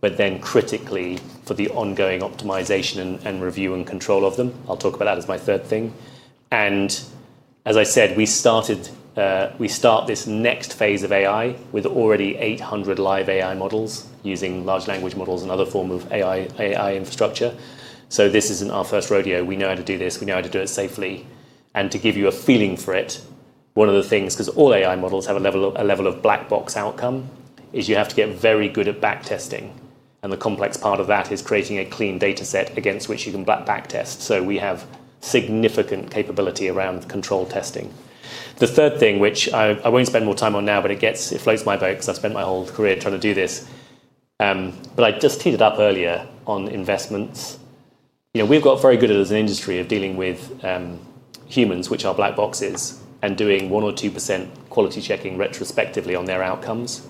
but then critically for the ongoing optimization and review and control of them. I'll talk about that as my third thing. As I said, we start this next phase of AI with already 800 live AI models using large language models and other forms of AI infrastructure. This isn't our first rodeo. We know how to do this. We know how to do it safely. To give you a feeling for it, one of the things, because all AI models have a level of black box outcome, is you have to get very good at backtesting. The complex part of that is creating a clean dataset against which you can backtest. We have significant capability around control testing. The third thing, which I will not spend more time on now, but it floats my boat because I have spent my whole career trying to do this. I just teed it up earlier on investments. We have got very good at it as an industry of dealing with humans, which are black boxes, and doing 1% or 2% quality checking retrospectively on their outcomes.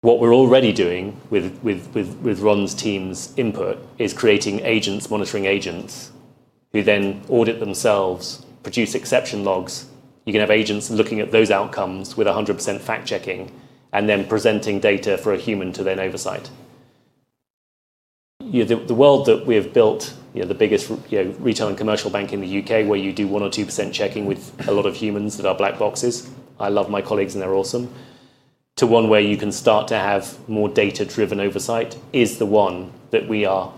What we are already doing with Ron's team's input is creating agents, monitoring agents who then audit themselves, produce exception logs. You can have agents looking at those outcomes with 100% fact-checking and then presenting data for a human to then oversight. The world that we have built, the biggest retail and commercial bank in the U.K. where you do 1% or 2% checking with a lot of humans that are black boxes, I love my colleagues and they're awesome, to one where you can start to have more data-driven oversight is the one that we are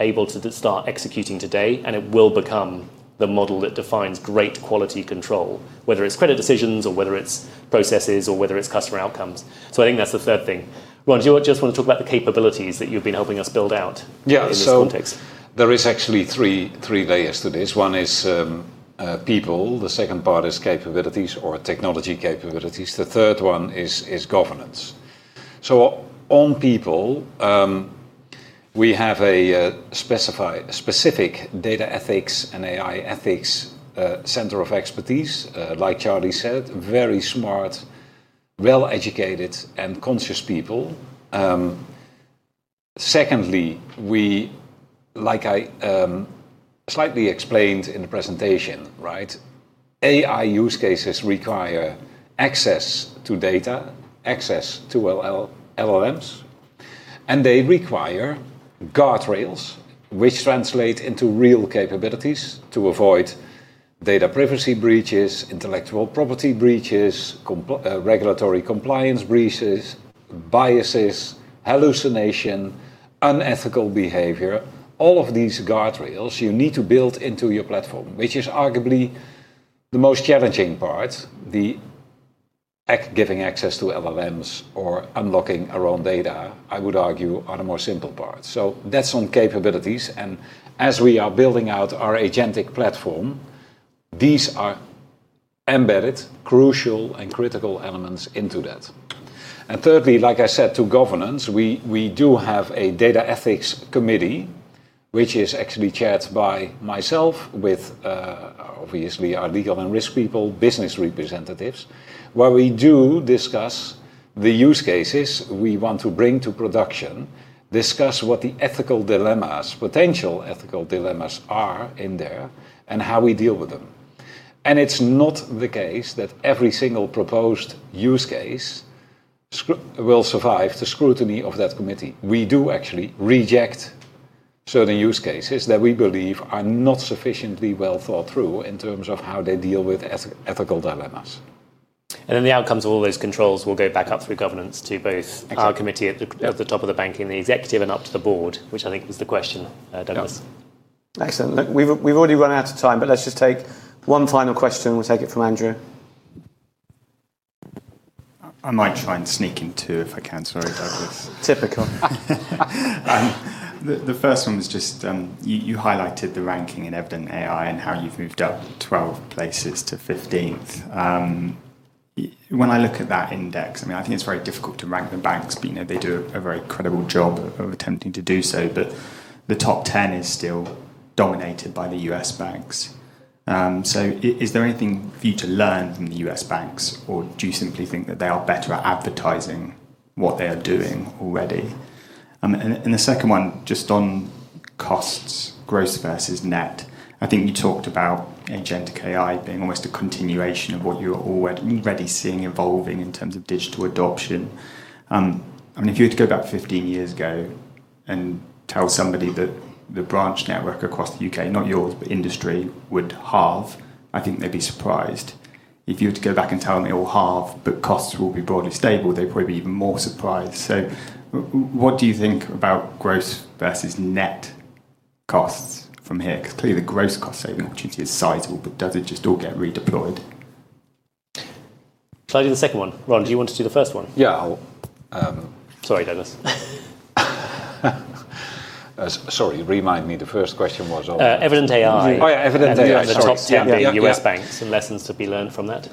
able to start executing today, and it will become the model that defines great quality control, whether it's credit decisions or whether it's processes or whether it's customer outcomes. I think that's the third thing. Ron, do you just want to talk about the capabilities that you've been helping us build out in this context? Yeah. There is actually three layers to this. One is people, the second part is capabilities or technology capabilities. The third one is governance. On people. We have a specific data ethics and AI ethics center of expertise, like Charlie said, very smart, well-educated, and conscious people. Secondly, like I slightly explained in the presentation, right? AI use cases require access to data, access to LLMs, and they require guardrails which translate into real capabilities to avoid data privacy breaches, intellectual property breaches, regulatory compliance breaches, biases, hallucination, unethical behavior. All of these guardrails you need to build into your platform, which is arguably the most challenging part. Giving access to LLMs or unlocking our own data, I would argue, are the more simple parts. That is on capabilities. As we are building out our agentic platform, these are embedded, crucial, and critical elements into that. Thirdly, like I said, to governance, we do have a data ethics committee, which is actually chaired by myself with. Obviously our legal and risk people, business representatives, where we do discuss the use cases we want to bring to production, discuss what the ethical dilemmas, potential ethical dilemmas are in there, and how we deal with them. It is not the case that every single proposed use case will survive the scrutiny of that committee. We do actually reject certain use cases that we believe are not sufficiently well thought through in terms of how they deal with ethical dilemmas. The outcomes of all those controls will go back up through governance to both our committee at the top of the bank and the executive and up to the board, which I think was the question, Douglas. Excellent. Look, we've already run out of time, but let's just take one final question. We'll take it from Andrew. I might try and sneak in two if I can, sorry, Douglas. Typical. The first one was just you highlighted the ranking in Evident AI and how you've moved up 12 places to 15th. When I look at that index, I mean, I think it's very difficult to rank the banks. They do a very credible job of attempting to do so, but the top 10 is still dominated by the U.S. banks. Is there anything for you to learn from the U.S. banks, or do you simply think that they are better at advertising what they are doing already? The second one, just on costs, gross versus net, I think you talked about agentic AI being almost a continuation of what you're already seeing evolving in terms of digital adoption. I mean, if you were to go back 15 years ago and tell somebody that the branch network across the U.K., not yours, but industry would halve, I think they'd be surprised. If you were to go back and tell them it will halve, but costs will be broadly STABLE, they'd probably be even more surprised. What do you think about gross versus net costs from here? Because clearly the gross cost saving opportunity is sizable, but does it just all get redeployed? Can I do the second one? Ron, do you want to do the first one? Yeah. Sorry, Dennis. Sorry, remind me the first question was on. Evident AI. Oh, yeah, Evident AI on the top 10 of the U.S. banks and lessons to be learned from that.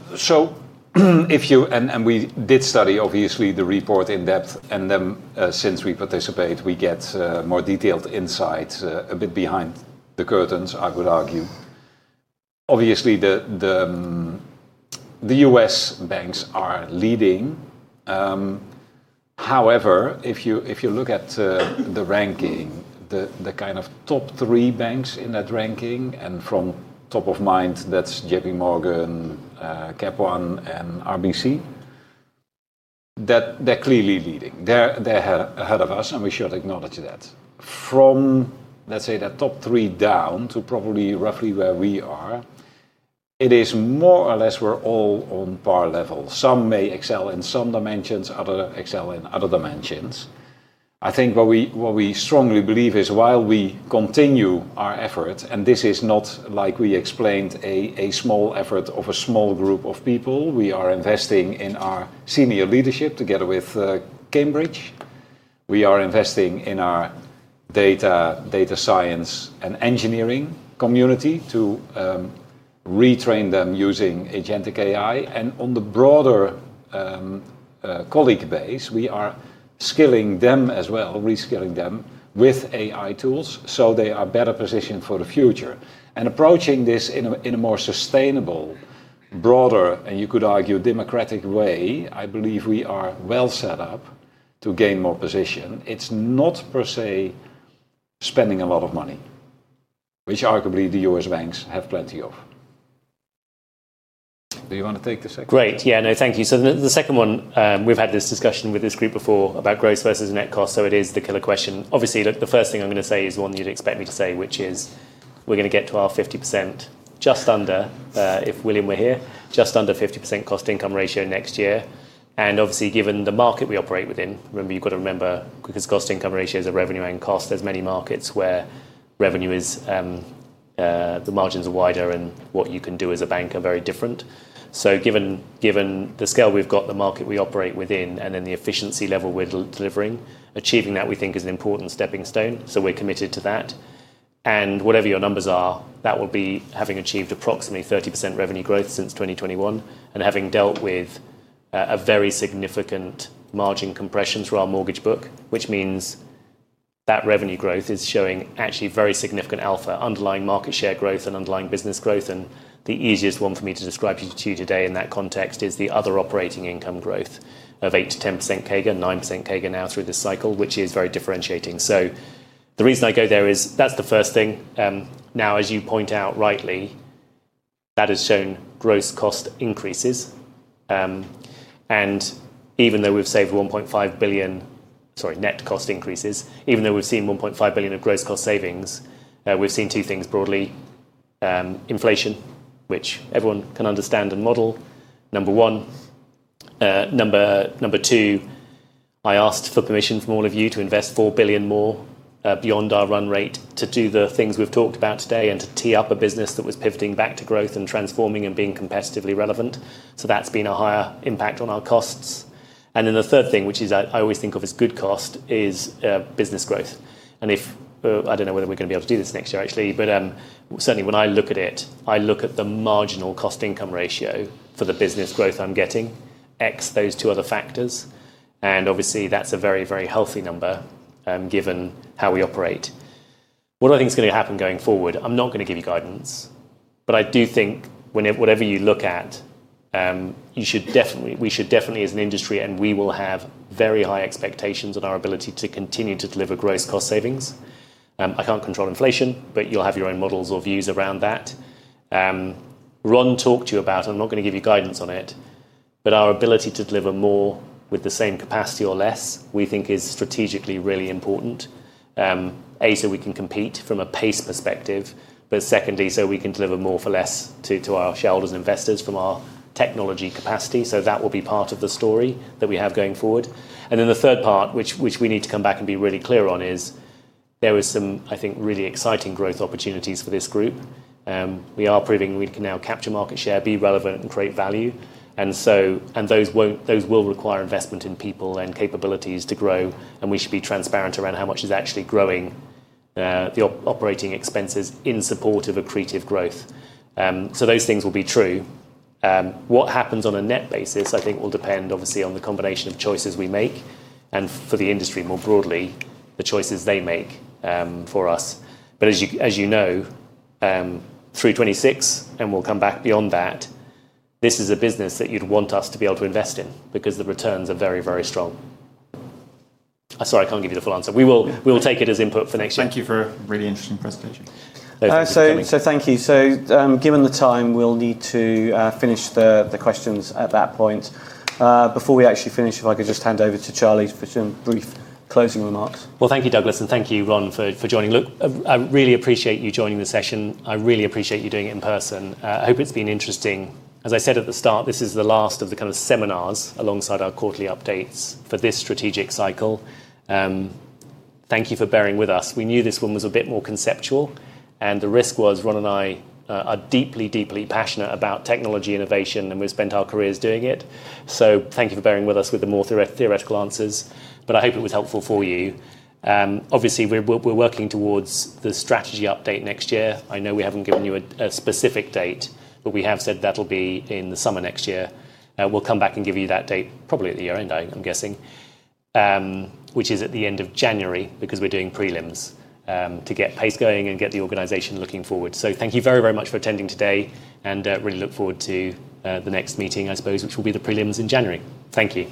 We did study, obviously, the report in depth, and then since we participate, we get more detailed insights a bit behind the curtains, I would argue. Obviously, the U.S. banks are leading. However, if you look at the ranking, the kind of top three banks in that ranking, and from top of mind, that's JPMorgan, CapOne, and RBC. They're clearly leading. They're ahead of us, and we should acknowledge that. From, let's say, that top three down to probably roughly where we are, it is more or less we're all on par level. Some may excel in some dimensions, others excel in other dimensions. I think what we strongly believe is while we continue our effort, and this is not like we explained a small effort of a small group of people, we are investing in our senior leadership together with Cambridge. We are investing in our data science and engineering community to retrain them using agentic AI. On the broader colleague base, we are skilling them as well, reskilling them with AI tools so they are better positioned for the future. Approaching this in a more sustainable, broader, and you could argue democratic way, I believe we are well set up to gain more position. It is not per se spending a lot of money, which arguably the U.S. banks have plenty of. Do you want to take the second one? Great. Yeah, no, thank you. The second one, we have had this discussion with this group before about gross versus net cost. It is the killer question. Obviously, look, the first thing I'm going to say is one you'd expect me to say, which is we're going to get to our 50%, just under, if William were here, just under 50% cost-income ratio next year. Obviously, given the market we operate within, remember, you've got to remember, because cost-income ratios are revenue and cost, there's many markets where revenues, the margins are wider and what you can do as a bank are very different. Given the scale we've got, the market we operate within, and then the efficiency level we're delivering, achieving that we think is an important stepping stone. We're committed to that. Whatever your numbers are, that will be having achieved approximately 30% revenue growth since 2021 and having dealt with a very significant margin compression through our mortgage book, which means. That revenue growth is showing actually very significant alpha, underlying market share growth and underlying business growth. The easiest one for me to describe to you today in that context is the other operating income growth of 8%-10% CAGR, 9% CAGR now through this cycle, which is very differentiating. The reason I go there is that's the first thing. Now, as you point out rightly, that has shown gross cost increases. Even though we've saved 1.5 billion, sorry, net cost increases, even though we've seen 1.5 billion of gross cost savings, we've seen two things broadly. Inflation, which everyone can understand and model, number one. Number two. I asked for permission from all of you to invest 4 billion more beyond our run rate to do the things we've talked about today and to tee up a business that was pivoting back to growth and transforming and being competitively relevant. That has been a higher impact on our costs. The third thing, which I always think of as good cost, is business growth. I do not know whether we're going to be able to do this next year, actually, but certainly when I look at it, I look at the marginal cost-income ratio for the business growth I'm getting excluding those two other factors. Obviously, that is a very, very healthy number given how we operate. What I think is going to happen going forward, I'm not going to give you guidance, but I do think whatever you look at. We should definitely, as an industry, and we will have very high expectations on our ability to continue to deliver gross cost savings. I can't control inflation, but you'll have your own models or views around that. Ron talked to you about, and I'm not going to give you guidance on it, but our ability to deliver more with the same capacity or less, we think is strategically really important. A, so we can compete from a pace perspective, but secondly, so we can deliver more for less to our shareholders and investors from our technology capacity. That will be part of the story that we have going forward. The third part, which we need to come back and be really clear on, is there are some, I think, really exciting growth opportunities for this group. We are proving we can now capture market share, be relevant, and create value. Those will require investment in people and capabilities to grow, and we should be transparent around how much is actually growing. The operating expenses in support of accretive growth. Those things will be true. What happens on a net basis, I think, will depend, obviously, on the combination of choices we make and for the industry more broadly, the choices they make for us. As you know, through 2026, and we will come back beyond that. This is a business that you would want us to be able to invest in because the returns are very, very strong. Sorry, I cannot give you the full answer. We will take it as input for next year. Thank you for a really interesting presentation. Thank you. Given the time, we'll need to finish the questions at that point. Before we actually finish, if I could just hand over to Charlie for some brief closing remarks. Thank you, Douglas, and thank you, Ron, for joining. I really appreciate you joining the session. I really appreciate you doing it in person. I hope it's been interesting. As I said at the start, this is the last of the kind of seminars alongside our quarterly updates for this strategic cycle. Thank you for bearing with us. We knew this one was a bit more conceptual, and the risk was Ron and I are deeply, deeply passionate about technology innovation, and we've spent our careers doing it. Thank you for bearing with us with the more theoretical answers, but I hope it was helpful for you. Obviously, we're working towards the strategy update next year. I know we have not given you a specific date, but we have said that will be in the summer next year. We will come back and give you that date probably at the year end, I am guessing. Which is at the end of January because we are doing prelims to get pace going and get the organization looking forward. Thank you very, very much for attending today, and really look forward to the next meeting, I suppose, which will be the prelims in January. Thank you.